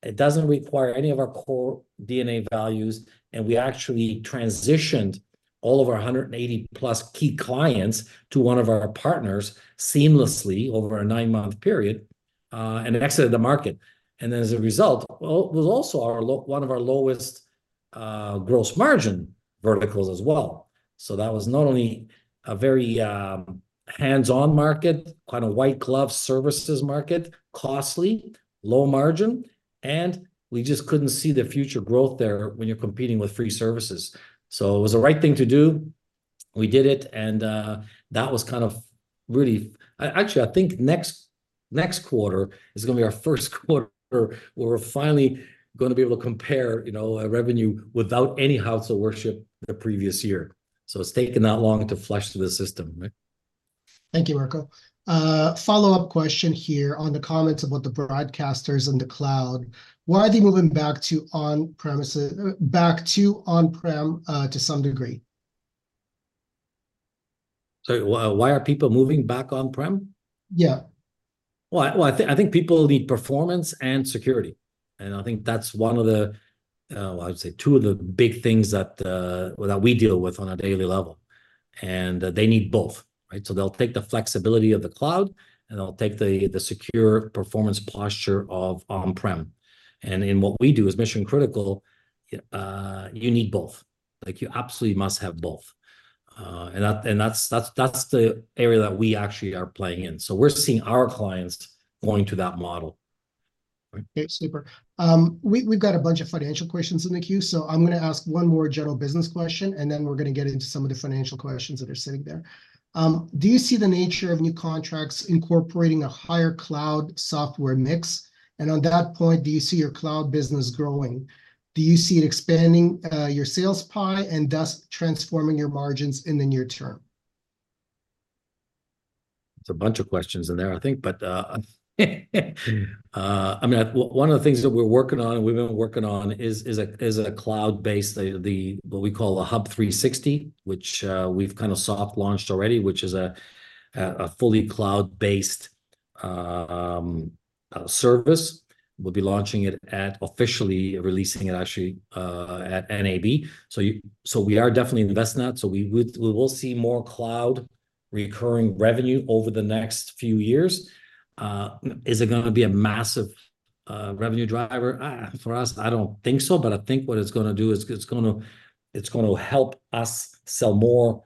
S2: It doesn't require any of our core DNA values, and we actually transitioned all of our 180-plus key clients to one of our partners seamlessly over a nine-month period, and then exited the market. And then as a result, well, it was also our one of our lowest gross margin verticals as well. So that was not only a very hands-on market, kind of white glove services market, costly, low margin, and we just couldn't see the future growth there when you're competing with free services. So it was the right thing to do. We did it, and that was kind of really... Actually, I think next quarter is gonna be our first quarter where we're finally gonna be able to compare, you know, our revenue without any house of worship the previous year. So it's taken that long to flush through the system, right?
S1: Thank you, Mirko. Follow-up question here on the comments about the broadcasters and the cloud. Why are they moving back to on-premises, back to on-prem, to some degree?
S2: Sorry, why are people moving back on-prem?
S1: Yeah.
S2: Well, well, I, I think people need performance and security, and I think that's one of the, well, I'd say two of the big things that, well, that we deal with on a daily level, and they need both, right? So they'll take the flexibility of the cloud, and they'll take the, the secure performance posture of on-prem. And in what we do as mission-critical, you need both. Like, you absolutely must have both. And that, and that's, that's, that's the area that we actually are playing in. So we're seeing our clients going to that model.
S1: Okay, super. We've got a bunch of financial questions in the queue, so I'm gonna ask one more general business question, and then we're gonna get into some of the financial questions that are sitting there. Do you see the nature of new contracts incorporating a higher cloud software mix? And on that point, do you see your cloud business growing? Do you see it expanding your sales pie and thus transforming your margins in the near term?
S2: There's a bunch of questions in there, I think, but, I mean, one of the things that we're working on, and we've been working on is a cloud-based, what we call a Hub 360, which we've kind of soft-launched already, which is a fully cloud-based service. We'll be launching it, officially releasing it, actually, at NAB. So we are definitely investing in that, so we will see more cloud recurring revenue over the next few years. Is it gonna be a massive revenue driver? For us, I don't think so, but I think what it's gonna do is it's gonna- it's gonna help us sell more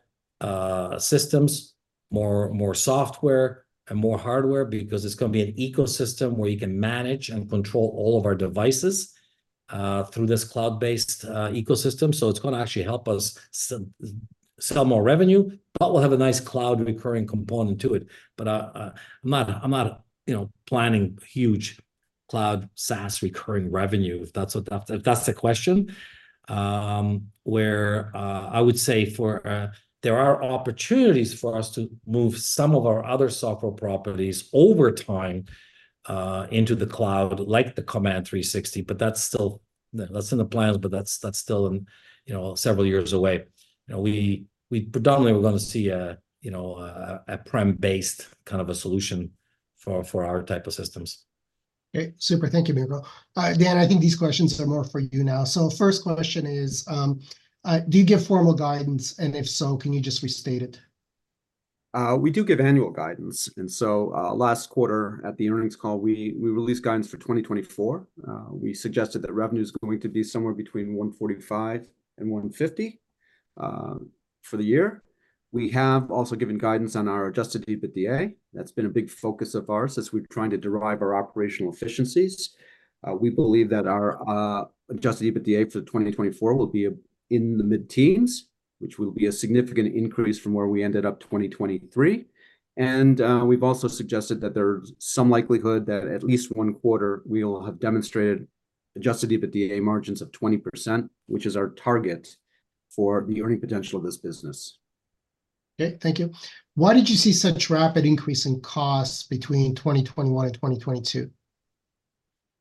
S2: systems, more software, and more hardware, because it's gonna be an ecosystem where you can manage and control all of our devices through this cloud-based ecosystem. So it's gonna actually help us sell more revenue, but we'll have a nice cloud recurring component to it. But I'm not, I'm not, you know, planning huge cloud SaaS recurring revenue, if that's what, If that's the question. Where I would say for there are opportunities for us to move some of our other software properties over time into the cloud, like the Command 360, but that's still—that's in the plans, but that's, that's still, you know, several years away. You know, we predominantly we're gonna see a, you know, a prem-based kind of a solution for our type of systems.
S1: Great. Super, thank you, Mirko. Dan, I think these questions are more for you now. First question is, do you give formal guidance? And if so, can you just restate it?
S3: We do give annual guidance, and so, last quarter, at the earnings call, we released guidance for 2024. We suggested that revenue is going to be somewhere between $145 million and $150 million for the year. We have also given guidance on our Adjusted EBITDA. That's been a big focus of ours as we're trying to derive our operational efficiencies. We believe that our Adjusted EBITDA for 2024 will be in the mid-teens, which will be a significant increase from where we ended up 2023. We've also suggested that there's some likelihood that at least one quarter we'll have demonstrated Adjusted EBITDA margins of 20%, which is our target for the earning potential of this business.
S1: Okay, thank you. Why did you see such rapid increase in costs between 2021 and 2022?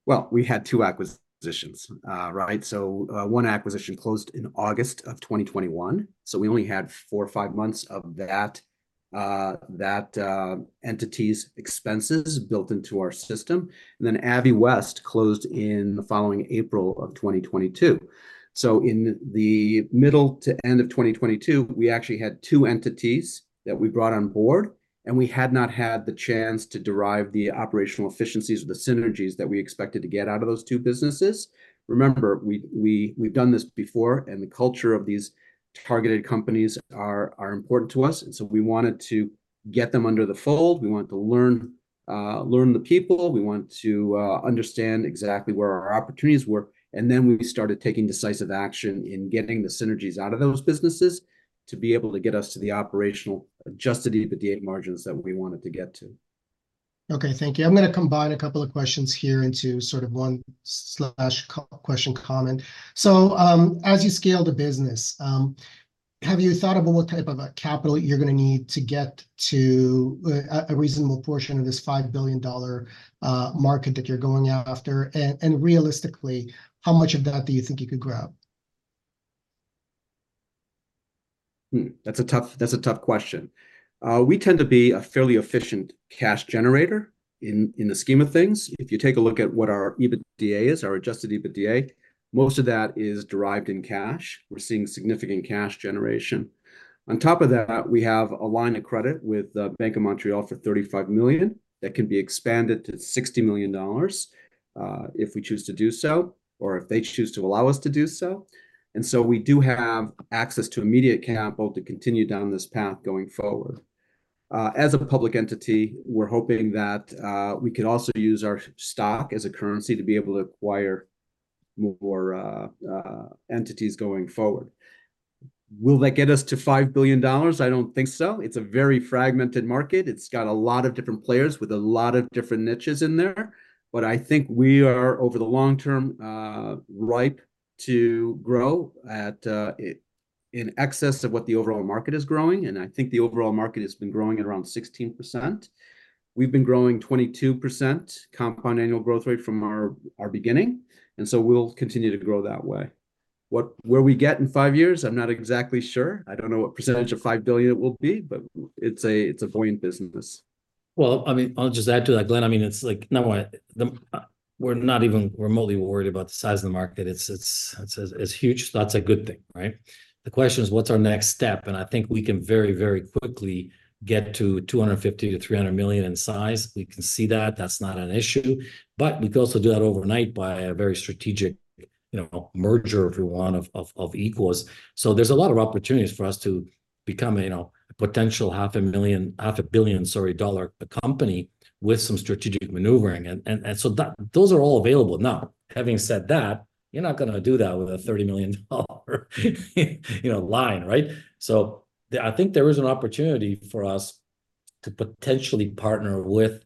S3: Well, we had two acquisitions, right? So, one acquisition closed in August of 2021, so we only had four or five months of that, that entity's expenses built into our system. And then AVIWEST closed in the following April of 2022. So in the middle to end of 2022, we actually had two entities that we brought on board, and we had not had the chance to derive the operational efficiencies or the synergies that we expected to get out of those two businesses. Remember, we, we've done this before, and the culture of these targeted companies are important to us, and so we wanted to get them under the fold. We wanted to learn, learn the people, we wanted to, understand exactly where our opportunities were, and then we started taking decisive action in getting the synergies out of those businesses to be able to get us to the operational adjusted EBITDA margins that we wanted to get to.
S1: Okay, thank you. I'm gonna combine a couple of questions here into sort of one slash question, comment. So, as you scale the business, have you thought about what type of a capital you're gonna need to get to a reasonable portion of this $5 billion market that you're going after? And realistically, how much of that do you think you could grab?
S3: Hmm, that's a tough, that's a tough question. We tend to be a fairly efficient cash generator in, in the scheme of things. If you take a look at what our EBITDA is, our adjusted EBITDA, most of that is derived in cash. We're seeing significant cash generation. On top of that, we have a line of credit with Bank of Montreal for $35 million. That can be expanded to $60 million, if we choose to do so, or if they choose to allow us to do so. And so we do have access to immediate capital to continue down this path going forward. As a public entity, we're hoping that we could also use our stock as a currency to be able to acquire more entities going forward. Will that get us to $5 billion? I don't think so. It's a very fragmented market. It's got a lot of different players with a lot of different niches in there, but I think we are, over the long term, ripe to grow at, in excess of what the overall market is growing, and I think the overall market has been growing at around 16%. We've been growing 22% compound annual growth rate from our beginning, and so we'll continue to grow that way. Where we get in five years, I'm not exactly sure. I don't know what percentage of $5 billion it will be, but it's a, it's a buoyant business.
S2: Well, I mean, I'll just add to that, Glen. I mean, it's like, number one, the... We're not even remotely worried about the size of the market. It's, it's, it's, it's huge. That's a good thing, right? The question is, what's our next step? And I think we can very, very quickly get to $250 million-$300 million in size. We can see that, that's not an issue, but we could also do that overnight by a very strategic, you know, merger, if you want, of, of, of equals. So there's a lot of opportunities for us to become, you know, a potential half a million- half a billion, sorry, dollar company with some strategic maneuvering. And, and so that, those are all available. Now, having said that, you're not gonna do that with a $30 million dollar you know, line, right? I think there is an opportunity for us to potentially partner with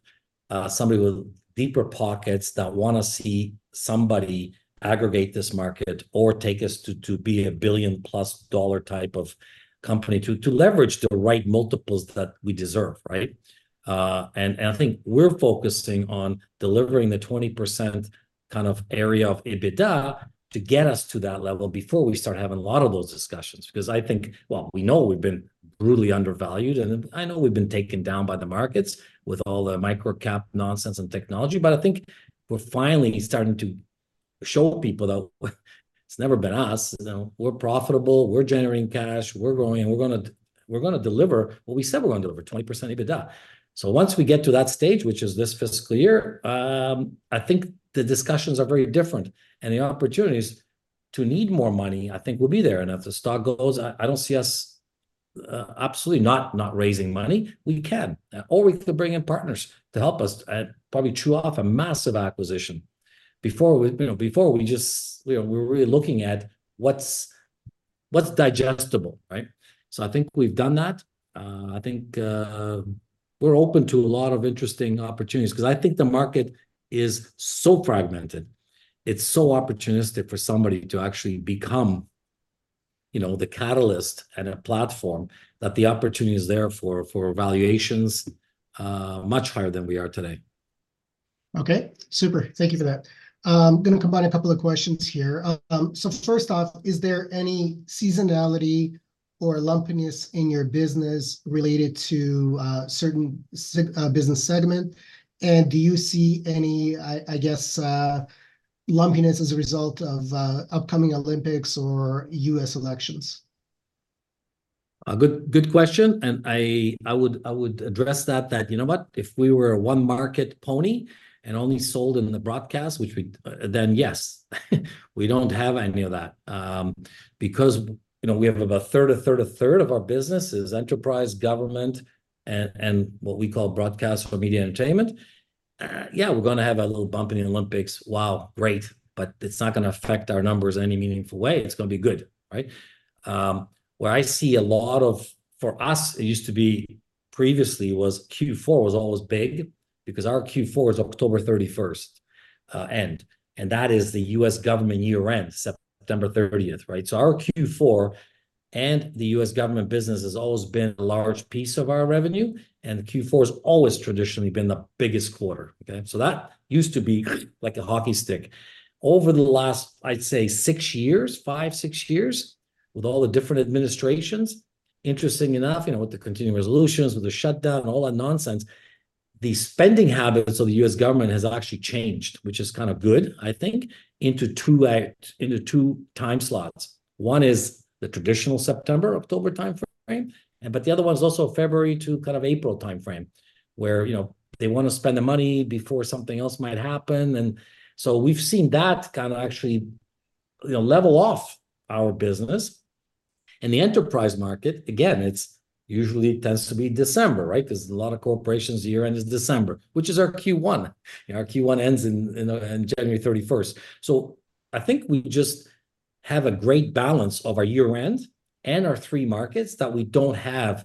S2: somebody with deeper pockets that wanna see somebody aggregate this market or take us to, to be a $1 billion-plus type of company to, to leverage the right multiples that we deserve, right? And I think we're focusing on delivering the 20% kind of area of EBITDA to get us to that level before we start having a lot of those discussions. Because I think, well, we know we've been brutally undervalued, and I know we've been taken down by the markets with all the micro-cap nonsense and technology, but I think we're finally starting to show people that it's never been us. You know, we're profitable, we're generating cash, we're growing, and we're gonna, we're gonna deliver what we said we're gonna deliver, 20% EBITDA. So once we get to that stage, which is this fiscal year, I think the discussions are very different, and the opportunities to need more money, I think will be there. And if the stock goes, I don't see us absolutely not, not raising money. We can or we could bring in partners to help us and probably chew off a massive acquisition. Before we, you know, before we just, you know, we're really looking at what's digestible, right? So I think we've done that. I think we're open to a lot of interesting opportunities 'cause I think the market is so fragmented. It's so opportunistic for somebody to actually become, you know, the catalyst and a platform, that the opportunity is there for valuations much higher than we are today.
S1: Okay, super. Thank you for that. I'm gonna combine a couple of questions here. So first off, is there any seasonality or lumpiness in your business related to certain business segment? And do you see any, I guess, lumpiness as a result of upcoming Olympics or U.S. elections?
S2: Good, good question, and I, I would, I would address that, that you know what? If we were a one-market pony and only sold in the broadcast, which we— then yes, we don't have any of that. Because, you know, we have about a third, a third, a third of our business is enterprise, government, and, and what we call broadcast for media entertainment. Yeah, we're gonna have a little bump in the Olympics. Wow, great, but it's not gonna affect our numbers in any meaningful way. It's gonna be good, right? Where I see a lot of... For us, it used to be previously was Q4 was always big because our Q4 is October 31st, end, and that is the U.S. government year-end, September 30th, right? So our Q4 and the U.S. government business has always been a large piece of our revenue, and Q4's always traditionally been the biggest quarter, okay? So that used to be like a hockey stick. Over the last, I'd say six years, five, six years, with all the different administrations, interesting enough, you know, with the continuing resolutions, with the shutdown and all that nonsense, the spending habits of the U.S. government has actually changed, which is kind of good, I think, into two, into two time slots. One is the traditional September-October timeframe, and but the other one's also February to kind of April timeframe, where, you know, they wanna spend the money before something else might happen. And so we've seen that kind of actually, you know, level off our business. In the enterprise market, again, it's usually tends to be December, right? 'Cause a lot of corporations' year end is December, which is our Q1. Our Q1 ends in, in, January 31st. So I think we just have a great balance of our year-end and our three markets, that we don't have,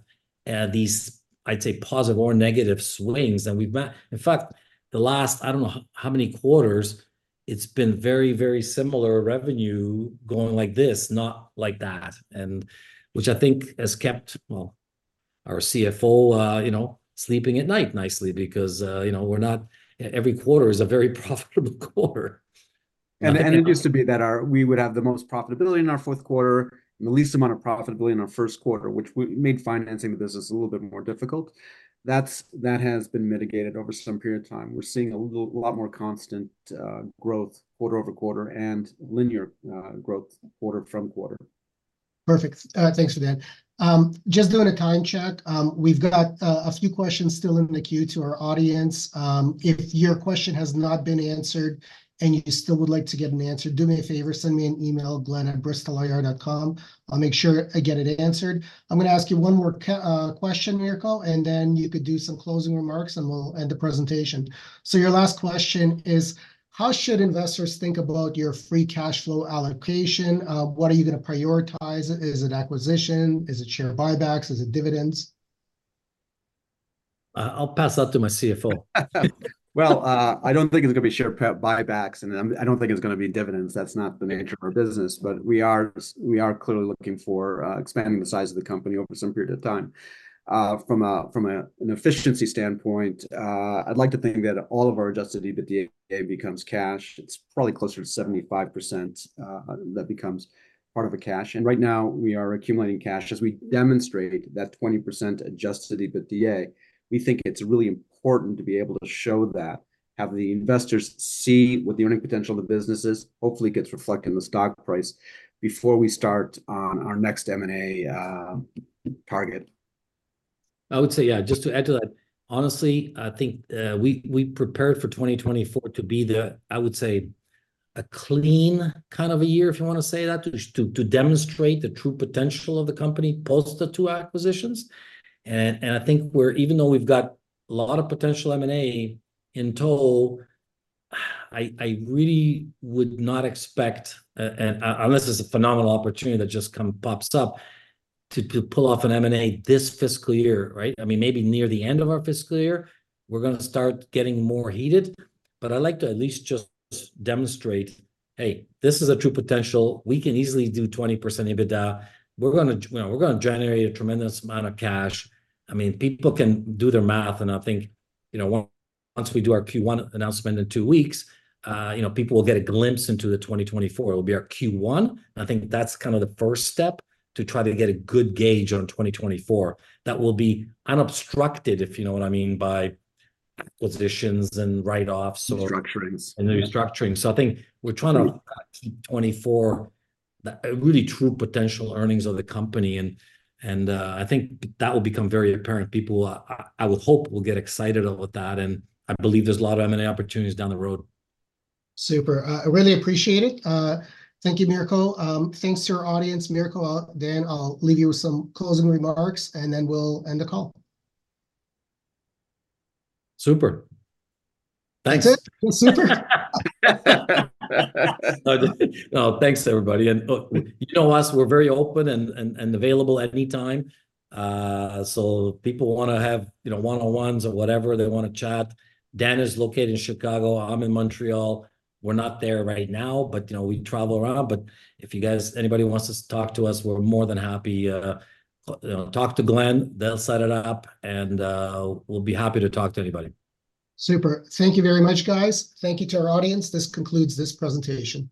S2: these, I'd say, positive or negative swings. And we've in fact, the last I don't know how many quarters, it's been very, very similar revenue going like this, not like that, and which I think has kept, well, our CFO, you know, sleeping at night nicely because, you know, we're not... Every quarter is a very profitable quarter.
S3: It used to be that we would have the most profitability in our fourth quarter and the least amount of profitability in our first quarter, which made financing the business a little bit more difficult. That has been mitigated over some period of time. We're seeing a lot more constant growth quarter over quarter and linear growth quarter from quarter.
S1: Perfect. Thanks for that. Just doing a time check, we've got a few questions still in the queue to our audience. If your question has not been answered and you still would like to get an answer, do me a favor, send me an email, glen@bristolir.com. I'll make sure I get it answered. I'm gonna ask you one more question, Mirko, and then you could do some closing remarks, and we'll end the presentation. So your last question is, how should investors think about your free cash flow allocation? What are you gonna prioritize? Is it acquisition, is it share buybacks, is it dividends?
S2: I'll pass that to my CFO.
S3: Well, I don't think it's gonna be share buybacks, and I don't think it's gonna be dividends. That's not the nature of our business. But we are clearly looking for expanding the size of the company over some period of time. From an efficiency standpoint, I'd like to think that all of our Adjusted EBITDA becomes cash. It's probably closer to 75% that becomes part of a cash. And right now, we are accumulating cash. As we demonstrate that 20% Adjusted EBITDA, we think it's really important to be able to show that, have the investors see what the earning potential of the business is, hopefully gets reflected in the stock price before we start on our next M&A target.
S2: I would say, yeah, just to add to that, honestly, I think, we prepared for 2024 to be the, I would say, a clean kind of a year, if you wanna say that, to demonstrate the true potential of the company post the two acquisitions. And I think we're even though we've got a lot of potential M&A, in total, I really would not expect, unless there's a phenomenal opportunity that just come, pops up, to pull off an M&A this fiscal year, right? I mean, maybe near the end of our fiscal year, we're gonna start getting more heated. But I'd like to at least just demonstrate, hey, this is a true potential. We can easily do 20% EBITDA. We're gonna, you know, we're gonna generate a tremendous amount of cash. I mean, people can do their math, and I think, you know, once we do our Q1 announcement in two weeks, you know, people will get a glimpse into the 2024. It'll be our Q1, and I think that's kind of the first step to try to get a good gauge on 2024. That will be unobstructed, if you know what I mean, by acquisitions and write-offs or...
S3: Restructurings.
S2: Restructurings. So I think we're trying to—2024, the really true potential earnings of the company, and I think that will become very apparent. People, I would hope will get excited about that, and I believe there's a lot of M&A opportunities down the road.
S1: Super. I really appreciate it. Thank you, Mirko. Thanks to our audience. Mirko, Dan, I'll leave you with some closing remarks, and then we'll end the call.
S2: Super. Thanks.
S1: That's it? Well, super.
S2: Well, thanks, everybody. And look, you know us, we're very open and available at any time. So if people wanna have, you know, one-on-ones or whatever, they wanna chat, Dan is located in Chicago. I'm in Montreal. We're not there right now, but you know, we travel around. But if you guys, anybody wants to talk to us, we're more than happy. Talk to Glen, they'll set it up, and we'll be happy to talk to anybody.
S1: Super. Thank you very much, guys. Thank you to our audience. This concludes this presentation.